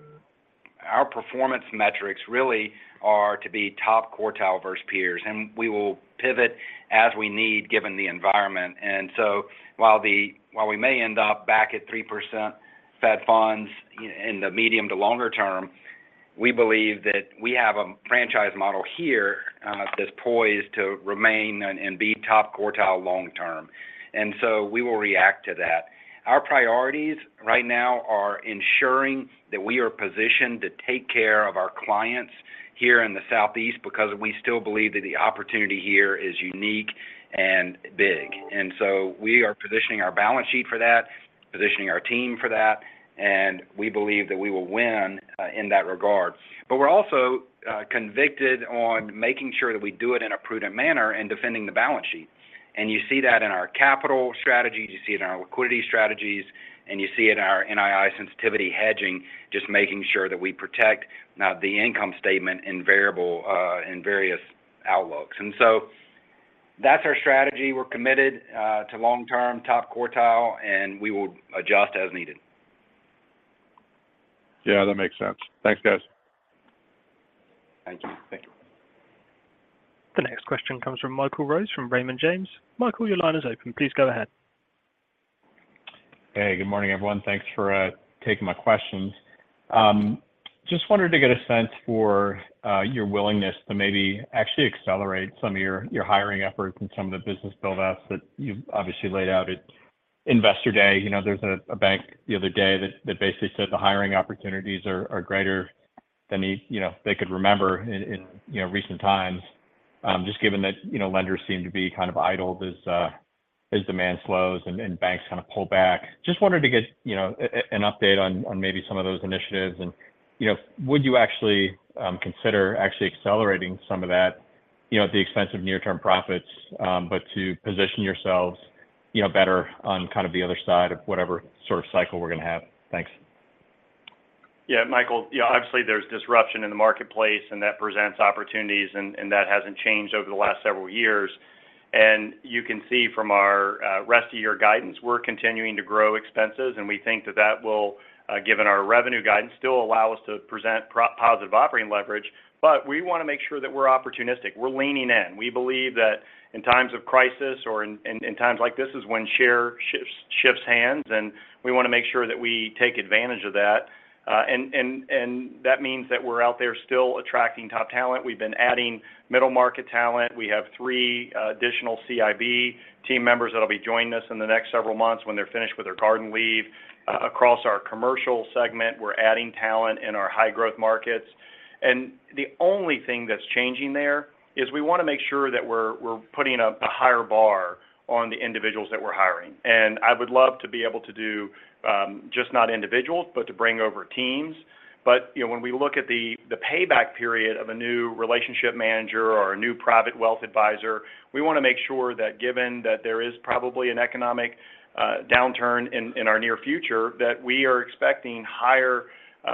performance metrics really are to be top quartile versus peers. We will pivot as we need given the environment. While we may end up back at 3% Federal Funds in the medium to longer term, we believe that we have a franchise model here that's poised to remain and be top quartile long term. We will react to that. Our priorities right now are ensuring that we are positioned to take care of our clients here in the southeast because we still believe that the opportunity here is unique and big. We are positioning our balance sheet for that, positioning our team for that, and we believe that we will win in that regard. We're also convicted on making sure that we do it in a prudent manner in defending the balance sheet. You see that in our capital strategy, you see it in our liquidity strategies, and you see it in our NII sensitivity hedging, just making sure that we protect the income statement in variable, in various outlooks. That's our strategy. We're committed to long-term top quartile, and we will adjust as needed. Yeah, that makes sense. Thanks, guys. Thank you. Thank you. The next question comes from Michael Rose, from Raymond James. Michael, your line is open. Please go ahead. Hey, good morning, everyone. Thanks for taking my questions. Just wanted to get a sense for your willingness to maybe actually accelerate some of your hiring efforts and some of the business build-ups that you've obviously laid out at investor day. You know, there's a bank the other day that basically said the hiring opportunities are greater than he, you know, they could remember in, you know, recent times. Just given that, you know, lenders seem to be kind of idled as demand slows and banks kind of pull back. Just wanted to get, you know, an update on maybe some of those initiatives. You know, would you actually, consider actually accelerating some of that, you know, at the expense of near-term profits, but to position yourselves, you know, better on kind of the other side of whatever sort of cycle we're going to have? Thanks. Michael, you know, obviously there's disruption in the marketplace, and that presents opportunities and that hasn't changed over the last several years. You can see from our rest of year guidance, we're continuing to grow expenses, and we think that that will, given our revenue guidance, still allow us to present positive operating leverage. We want to make sure that we're opportunistic. We're leaning in. We believe that in times of crisis or in times like this is when share shifts hands, and we want to make sure that we take advantage of that. And that means that we're out there still attracting top talent. We've been adding middle market talent. We have three additional CIB team members that'll be joining us in the next several months when they're finished with their garden leave. Across our commercial segment, we're adding talent in our high growth markets. The only thing that's changing there is we want to make sure that we're putting up a higher bar on the individuals that we're hiring. I would love to be able to do just not individuals, but to bring over teams. You know, when we look at the payback period of a new relationship manager or a new private wealth advisor, we want to make sure that given that there is probably an economic downturn in our near future, that we are expecting higher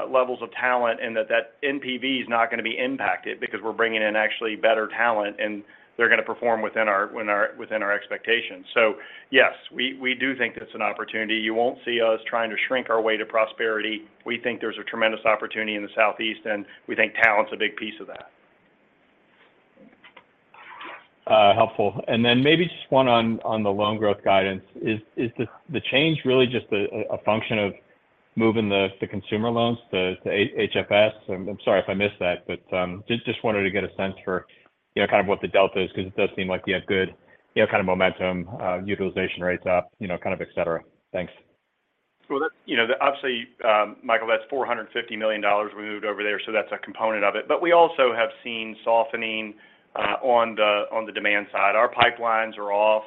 levels of talent and that NPV is not going to be impacted because we're bringing in actually better talent and they're going to perform within our expectations. Yes, we do think that it's an opportunity. You won't see us trying to shrink our way to prosperity. We think there's a tremendous opportunity in the Southeast. We think talent's a big piece of that. Helpful. Maybe just one on the loan growth guidance. Is the change really just a function of moving the consumer loans to HFS? I'm sorry if I missed that, but just wanted to get a sense for, you know, kind of what the delta is because it does seem like you have good, you know, kind of momentum, utilization rates up, you know, kind of et cetera. Thanks. That's, you know, obviously, Michael, that's $450 million we moved over there, so that's a component of it. We also have seen softening on the demand side. Our pipelines are off.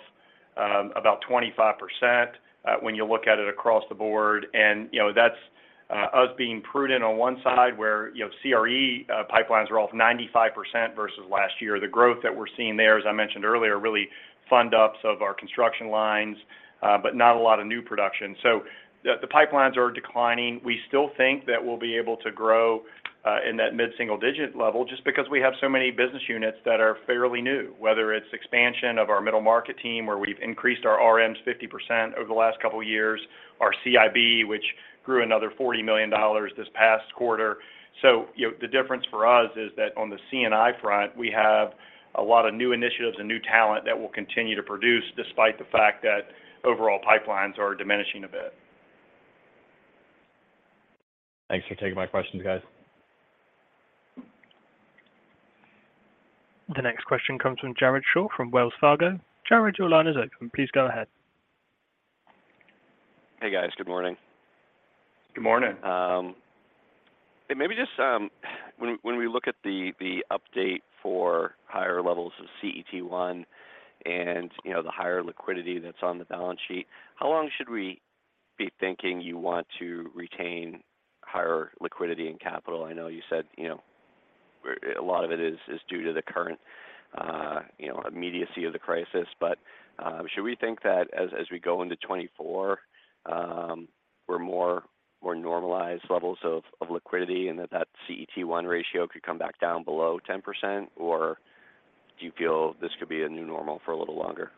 About 25% when you look at it across the board. You know, that's us being prudent on one side where, you know, CRE pipelines are off 95% versus last year. The growth that we're seeing there, as I mentioned earlier, really fund ups of our construction lines, but not a lot of new production. The pipelines are declining. We still think that we'll be able to grow in that mid-single digit level just because we have so many business units that are fairly new. Whether it's expansion of our middle market team, where we've increased our RMs 50% over the last couple years, our CIB, which grew another $40 million this past quarter. You know, the difference for us is that on the C&I front, we have a lot of new initiatives and new talent that will continue to produce despite the fact that overall pipelines are diminishing a bit. Thanks for taking my questions, guys. The next question comes from Jared Shaw from Wells Fargo. Jared, your line is open. Please go ahead. Hey, guys. Good morning. Good morning. Maybe just, when we look at the update for higher levels of CET1 and, you know, the higher liquidity that's on the balance sheet, how long should we be thinking you want to retain higher liquidity and capital? I know you said, you know, a lot of it is due to the current, you know, immediacy of the crisis. Should we think that as we go into 2024, we're more normalized levels of liquidity and that CET1 ratio could come back down below 10%? Do you feel this could be a new normal for a little longer?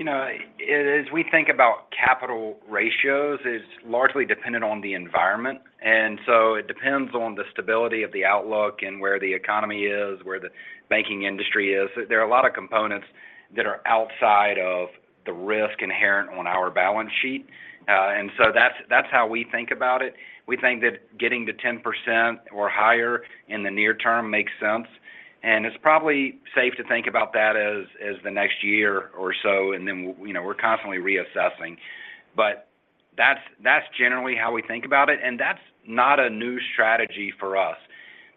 You know, as we think about capital ratios, it's largely dependent on the environment. It depends on the stability of the outlook and where the economy is, where the banking industry is. There are a lot of components that are outside of the risk inherent on our balance sheet. That's how we think about it. We think that getting to 10% or higher in the near term makes sense, and it's probably safe to think about that as the next year or so, you know, we're constantly reassessing. That's generally how we think about it, and that's not a new strategy for us.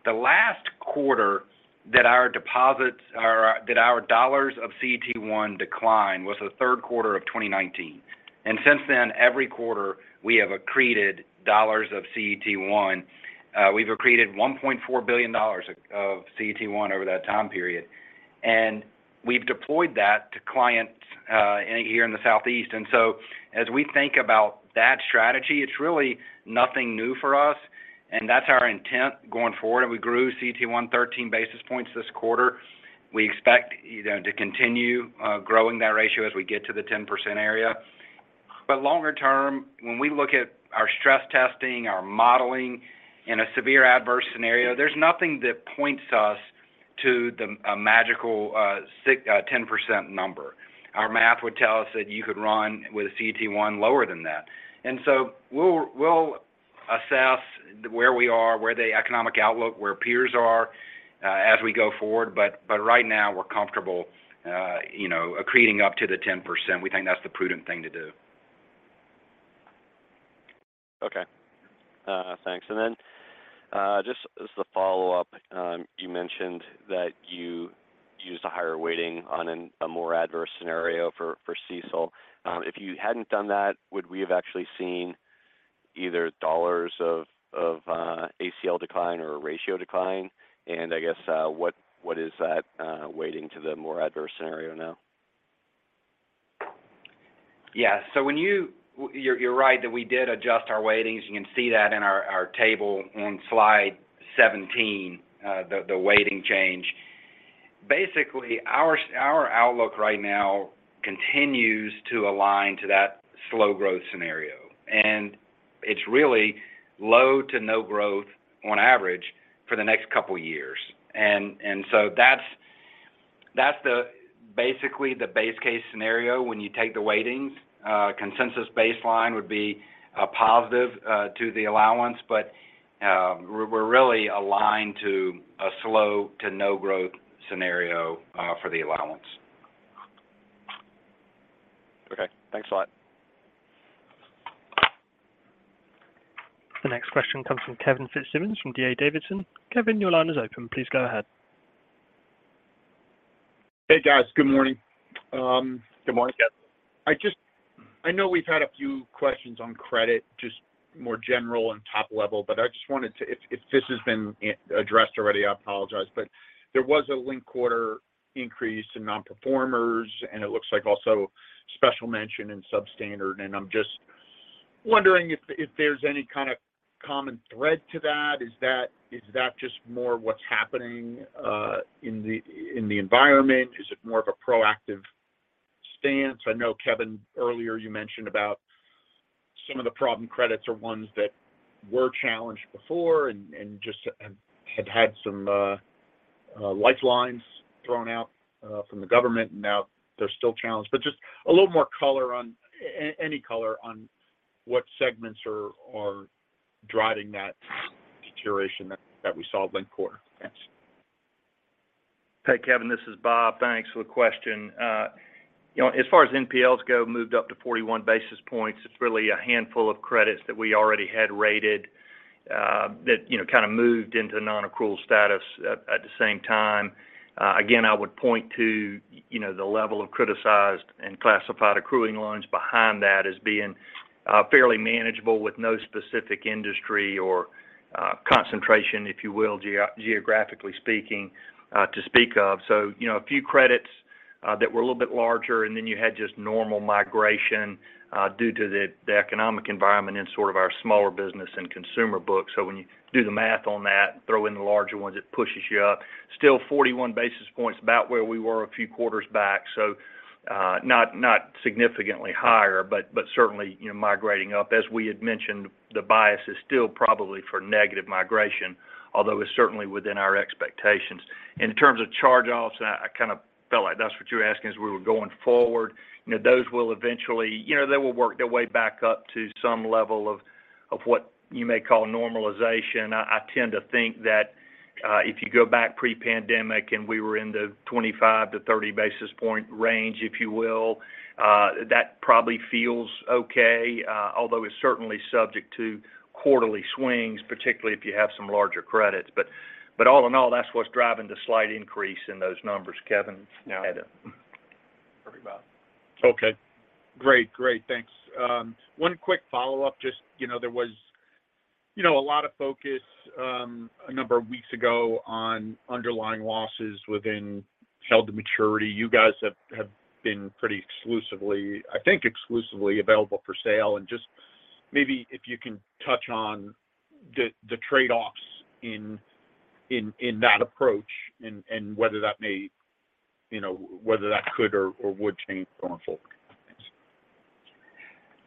The last quarter that our deposits or that our dollars of CET1 declined was the third quarter of 2019. Since then, every quarter we have accreted dollars of CET1. We've accreted $1.4 billion of CET1 over that time period. We've deployed that to clients here in the Southeast. As we think about that strategy, it's really nothing new for us, and that's our intent going forward. We grew CET1 13 basis points this quarter. We expect, you know, to continue growing that ratio as we get to the 10% area. Longer term, when we look at our stress testing, our modeling in a severe adverse scenario, there's nothing that points us to a magical 10% number. Our math would tell us that you could run with a CET1 lower than that. We'll assess where we are, where the economic outlook, where peers are as we go forward. Right now we're comfortable, you know, accreting up to the 10%. We think that's the prudent thing to do. Okay. Thanks. Then, just as a follow-up, you mentioned that you used a higher weighting on a more adverse scenario for CECL. If you hadn't done that, would we have actually seen either dollars of ACL decline or a ratio decline? I guess, what is that weighting to the more adverse scenario now? Yeah. You're right that we did adjust our weightings. You can see that in our table on slide 17, the weighting change. Basically, our outlook right now continues to align to that slow growth scenario, and it's really low to no growth on average for the next couple years. That's basically the base case scenario when you take the weightings. Consensus baseline would be positive to the allowance, but we're really aligned to a slow to no growth scenario for the allowance. Okay. Thanks a lot. The next question comes from Kevin Fitzsimmons from D.A. Davidson. Kevin, your line is open. Please go ahead. Hey, guys. Good morning. Good morning. I know we've had a few questions on credit, just more general and top level, I wanted to, if this has been addressed already, I apologize. There was a linked quarter increase in non-performers, and it looks like also special mention in substandard. I'm just wondering if there's any kind of common thread to that. Is that just more what's happening in the environment? Is it more of a proactive stance? I know, Kevin, earlier you mentioned about some of the problem credits are ones that were challenged before and just had some lifelines thrown out from the government, and now they're still challenged. Just a little more color on any color on what segments are driving that deterioration that we saw linked quarter. Thanks. Hey, Kevin. This is Bob. Thanks for the question. You know, as far as NPLs go, moved up to 41 basis points. It's really a handful of credits that we already had rated, that, you know, kind of moved into non-accrual status at the same time. Again, I would point to, you know, the level of criticized and classified accruing loans behind that as being fairly manageable with no specific industry or concentration, if you will, geographically speaking, to speak of. You know, a few credits that were a little bit larger, and then you had just normal migration due to the economic environment in sort of our smaller business and consumer books. When you do the math on that, throw in the larger ones, it pushes you up. Still 41 basis points, about where we were a few quarters back. not significantly higher, but certainly, you know, migrating up. As we had mentioned, the bias is still probably for negative migration, although it's certainly within our expectations. In terms of charge-offs, I kind of felt like that's what you were asking as we were going forward, you know, those will eventually. You know, they will work their way back up to some level of what you may call normalization. I tend to think that if you go back pre-pandemic and we were in the 25-30 basis point range, if you will, that probably feels okay, although it's certainly subject to quarterly swings, particularly if you have some larger credits. all in all, that's what's driving the slight increase in those numbers. Kevin had Yeah. Heard me well. Okay. Great. Great. Thanks. One quick follow-up. Just, you know, there was, you know, a lot of focus, a number of weeks ago on underlying losses within held to maturity. You guys have been pretty exclusively, I think exclusively available for sale. Just maybe if you can touch on the trade-offs in that approach and whether that may, you know, whether that could or would change going forward. Thanks.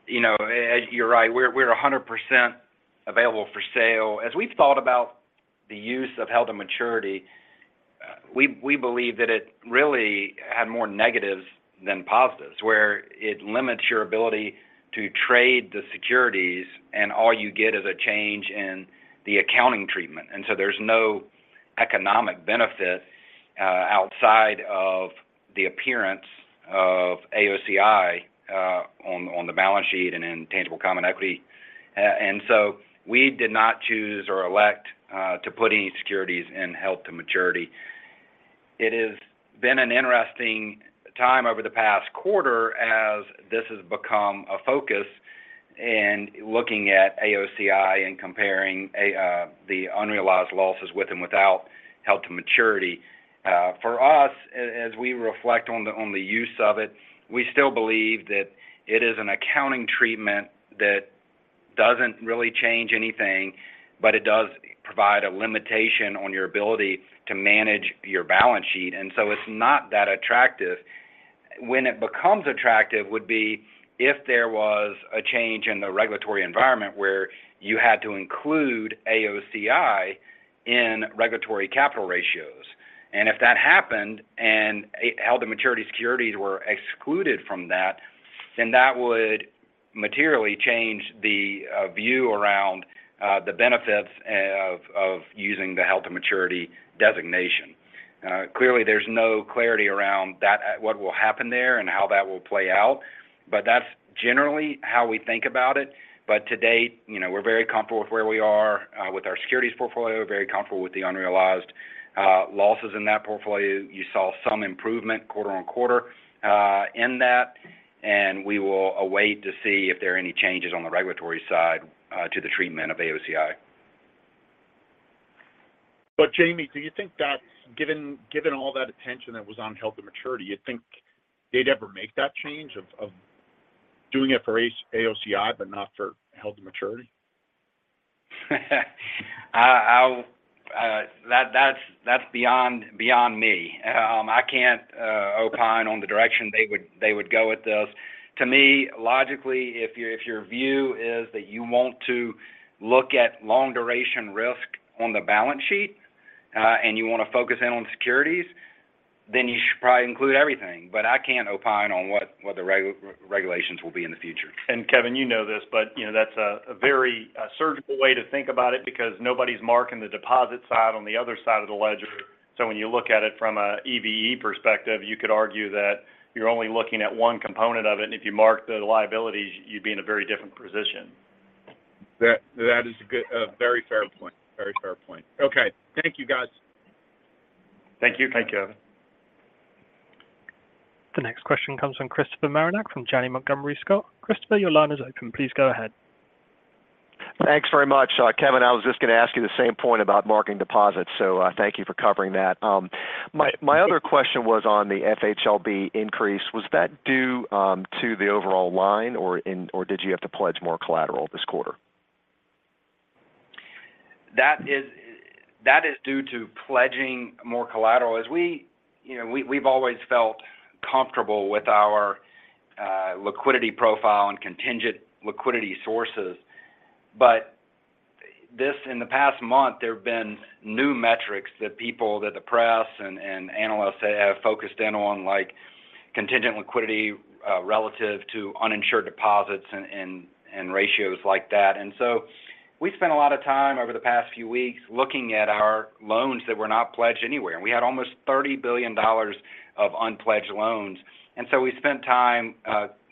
You know, Ed, you're right. We're 100% available for sale. As we've thought about the use of held to maturity, we believe that it really had more negatives than positives, where it limits your ability to trade the securities and all you get is a change in the accounting treatment. There's no economic benefit outside of the appearance of AOCI on the balance sheet and in tangible common equity. We did not choose or elect to put any securities in held to maturity. It has been an interesting time over the past quarter as this has become a focus in looking at AOCI and comparing the unrealized losses with and without held to maturity. For us, as we reflect on the, on the use of it, we still believe that it is an accounting treatment that doesn't really change anything, but it does provide a limitation on your ability to manage your balance sheet. It's not that attractive. When it becomes attractive would be if there was a change in the regulatory environment where you had to include AOCI in regulatory capital ratios. If that happened and held to maturity securities were excluded from that, then that would materially change the view around the benefits of using the held to maturity designation. Clearly, there's no clarity around that-- what will happen there and how that will play out, but that's generally how we think about it. To date, you know, we're very comfortable with where we are, with our securities portfolio, very comfortable with the unrealized, losses in that portfolio. You saw some improvement quarter-on-quarter, in that, we will await to see if there are any changes on the regulatory side, to the treatment of AOCI. Jamie, do you think that's given all that attention that was on held to maturity, you think they'd ever make that change of doing it for AOCI, but not for held to maturity? That's beyond me. I can't opine on the direction they would go with this. To me, logically, if your view is that you want to look at long duration risk on the balance sheet, and you wanna focus in on securities, then you should probably include everything. I can't opine on what the regulations will be in the future. Kevin, you know this, but, you know, that's a very surgical way to think about it because nobody's marking the deposit side on the other side of the ledger. When you look at it from a EBE perspective, you could argue that you're only looking at one component of it, and if you mark the liabilities, you'd be in a very different position. That is a very fair point. Very fair point. Okay. Thank you, guys. Thank you. Thank you, Kevin. The next question comes from Christopher Marinac from Janney Montgomery Scott. Christopher, your line is open. Please go ahead. Thanks very much. Kevin, I was just gonna ask you the same point about marking deposits. Thank you for covering that. My other question was on the FHLB increase. Was that due to the overall line or did you have to pledge more collateral this quarter? That is due to pledging more collateral. You know, we've always felt comfortable with our liquidity profile and contingent liquidity sources. In the past month, there have been new metrics that the press and analysts have focused in on, like contingent liquidity relative to uninsured deposits and ratios like that. We spent a lot of time over the past few weeks looking at our loans that were not pledged anywhere. We had almost $30 billion of unpledged loans. We spent time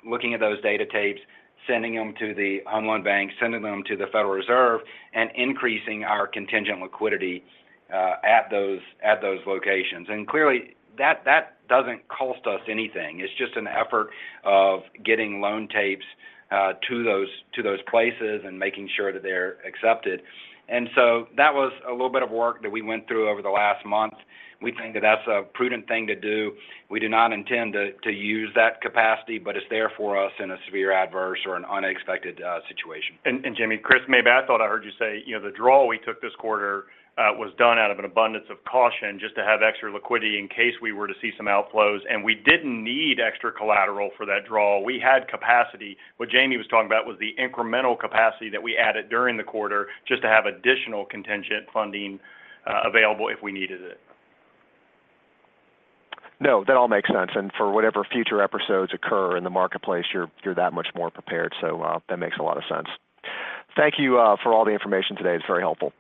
looking at those data tapes, sending them to the bank minimum, sending them to the Federal Reserve, and increasing our contingent liquidity at those, at those locations. Clearly, that doesn't cost us anything. It's just an effort of getting loan tapes, to those places and making sure that they're accepted. That was a little bit of work that we went through over the last month. We think that that's a prudent thing to do. We do not intend to use that capacity, but it's there for us in a severe adverse or an unexpected situation. Jamie, Chris, maybe I thought I heard you say, you know, the draw we took this quarter, was done out of an abundance of caution just to have extra liquidity in case we were to see some outflows, and we didn't need extra collateral for that draw. We had capacity. What Jamie was talking about was the incremental capacity that we added during the quarter just to have additional contingent funding available if we needed it. No, that all makes sense. For whatever future episodes occur in the marketplace, you're that much more prepared. That makes a lot of sense. Thank you, for all the information today. It's very helpful.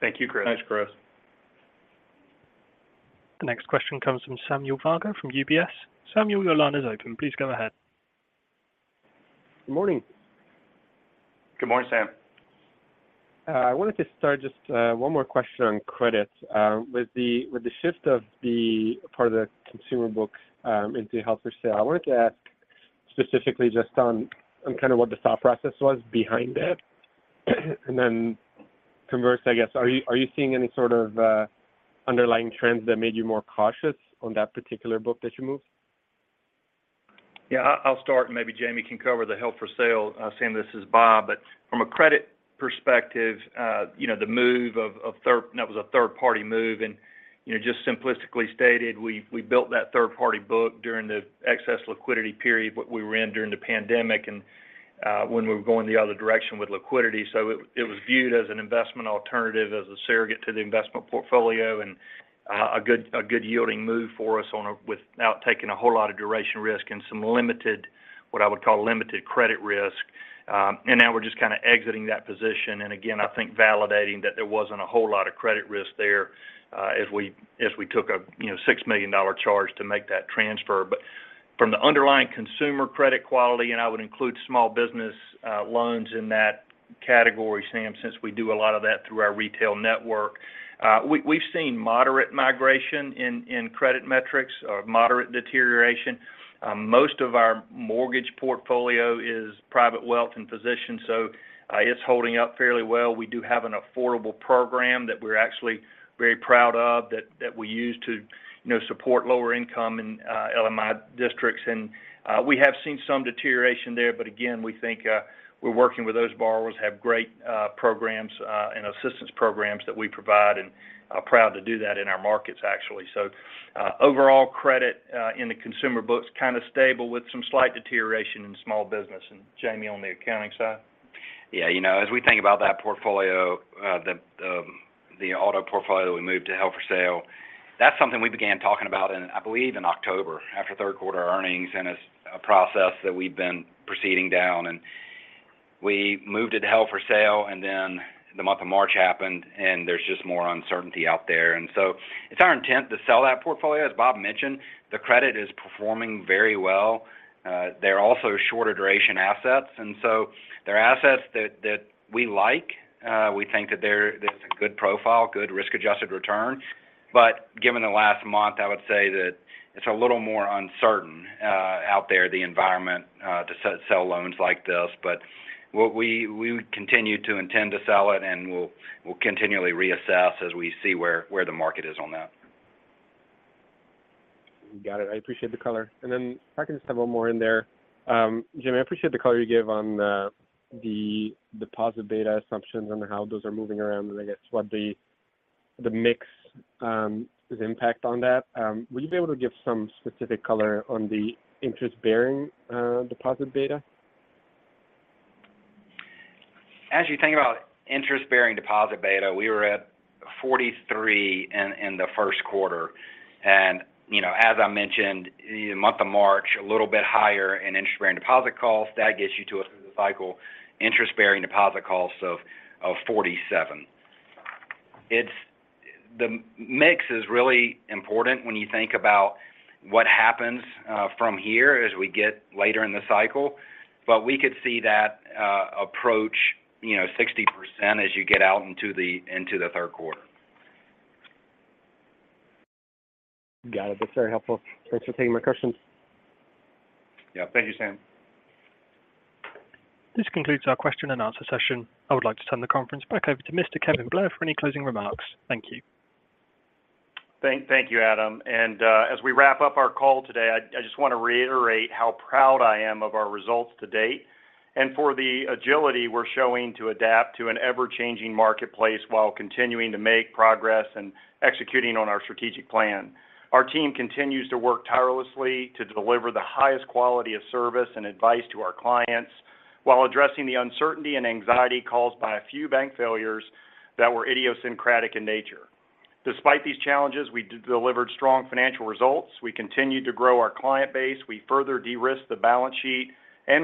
Thank you, Chris. Thanks, Chris. The next question comes from Stephen Scouten from UBS. Samuel, your line is open. Please go ahead. Good morning. Good morning, Sam. I wanted to start just, one more question on credits. With the shift of the part of the consumer books, into held for sale, I wanted to ask specifically just on kind of what the thought process was behind it. Then converse, I guess, are you, are you seeing any sort of underlying trends that made you more cautious on that particular book that you moved? Yeah, I'll start, and maybe Jamie can cover the health for sale. Sam, this is Bob. From a credit perspective, you know, the move that was a third-party move. You know, just simplistically stated, we built that third-party book during the excess liquidity period what we were in during the pandemic and when we were going the other direction with liquidity. It, it was viewed as an investment alternative as a surrogate to the investment portfolio and a good, a good yielding move for us without taking a whole lot of duration risk and some limited, what I would call limited credit risk. Now we're just kind of exiting that position. Again, I think validating that there wasn't a whole lot of credit risk there, as we took a, you know, $6 million charge to make that transfer. From the underlying consumer credit quality, and I would include small business loans in that category, Sam, since we do a lot of that through our retail network. We've seen moderate migration in credit metrics or moderate deterioration. Most of our mortgage portfolio is private wealth and physician, so it's holding up fairly well. We do have an affordable program that we're actually very proud of that we use to, you know, support lower income in LMI districts. We have seen some deterioration there. Again, we think, we're working with those borrowers, have great programs, and assistance programs that we provide and are proud to do that in our markets, actually. Overall credit, in the consumer books kind of stable with some slight deterioration in small business. Jamie, on the accounting side. Yeah, you know, as we think about that portfolio, the auto portfolio we moved to held for sale. That's something we began talking about in, I believe, in October after third quarter earnings. It's a process that we've been proceeding down. We moved it to held for sale, and then the month of March happened, and there's just more uncertainty out there. It's our intent to sell that portfolio. As Bob mentioned, the credit is performing very well. They're also shorter duration assets, and so they're assets that we like. We think that there's a good profile, good risk-adjusted return. Given the last month, I would say that it's a little more uncertain out there, the environment, to sell loans like this. What we continue to intend to sell it, and we'll continually reassess as we see where the market is on that. Got it. I appreciate the color. If I can just have one more in there. Jamie, I appreciate the color you gave on the deposit beta assumptions and how those are moving around and I guess what the mix, impact on that. Would you be able to give some specific color on the interest-bearing deposit beta? As you think about interest-bearing deposit beta, we were at 43 in the first quarter. You know, as I mentioned, the month of March, a little bit higher in interest-bearing deposit costs. That gets you to a cycle interest-bearing deposit cost of 47. The mix is really important when you think about what happens from here as we get later in the cycle. We could see that approach, you know, 60% as you get out into the third quarter. Got it. That's very helpful. Thanks for taking my questions. Yeah. Thank you, Sam. This concludes our question and answer session. I would like to turn the conference back over to Mr. Kevin Blair for any closing remarks. Thank you. Thank you, Adam. As we wrap up our call today, I just want to reiterate how proud I am of our results to date and for the agility we're showing to adapt to an ever-changing marketplace while continuing to make progress and executing on our strategic plan. Our team continues to work tirelessly to deliver the highest quality of service and advice to our clients while addressing the uncertainty and anxiety caused by a few bank failures that were idiosyncratic in nature. Despite these challenges, we delivered strong financial results. We continued to grow our client base, we further de-risked the balance sheet,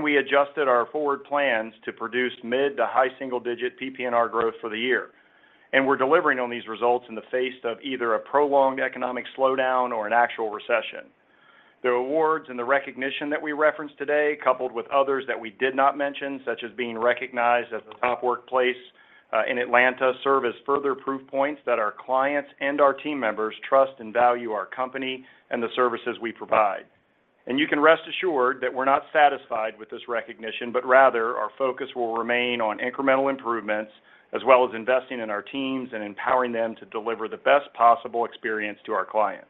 we adjusted our forward plans to produce mid to high single digit PPNR growth for the year. We're delivering on these results in the face of either a prolonged economic slowdown or an actual recession. The awards and the recognition that we referenced today, coupled with others that we did not mention, such as being recognized as a top workplace in Atlanta, serve as further proof points that our clients and our team members trust and value our company and the services we provide. You can rest assured that we're not satisfied with this recognition, but rather our focus will remain on incremental improvements as well as investing in our teams and empowering them to deliver the best possible experience to our clients.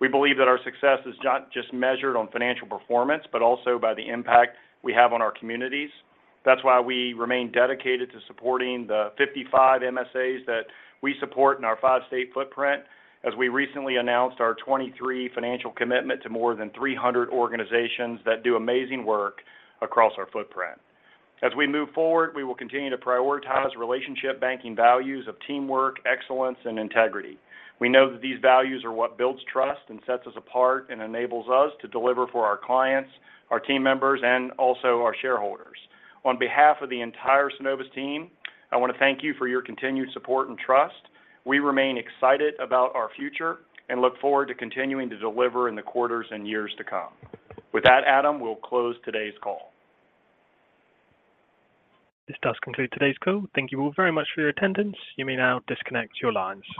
We believe that our success is not just measured on financial performance, but also by the impact we have on our communities. That's why we remain dedicated to supporting the 55 MSAs that we support in our five-state footprint as we recently announced our 2023 financial commitment to more than 300 organizations that do amazing work across our footprint. As we move forward, we will continue to prioritize relationship banking values of teamwork, excellence, and integrity. We know that these values are what builds trust and sets us apart and enables us to deliver for our clients, our team members, and also our shareholders. On behalf of the entire Synovus team, I want to thank you for your continued support and trust. We remain excited about our future and look forward to continuing to deliver in the quarters and years to come. With that, Adam, we'll close today's call. This does conclude today's call. Thank you all very much for your attendance. You may now disconnect your lines.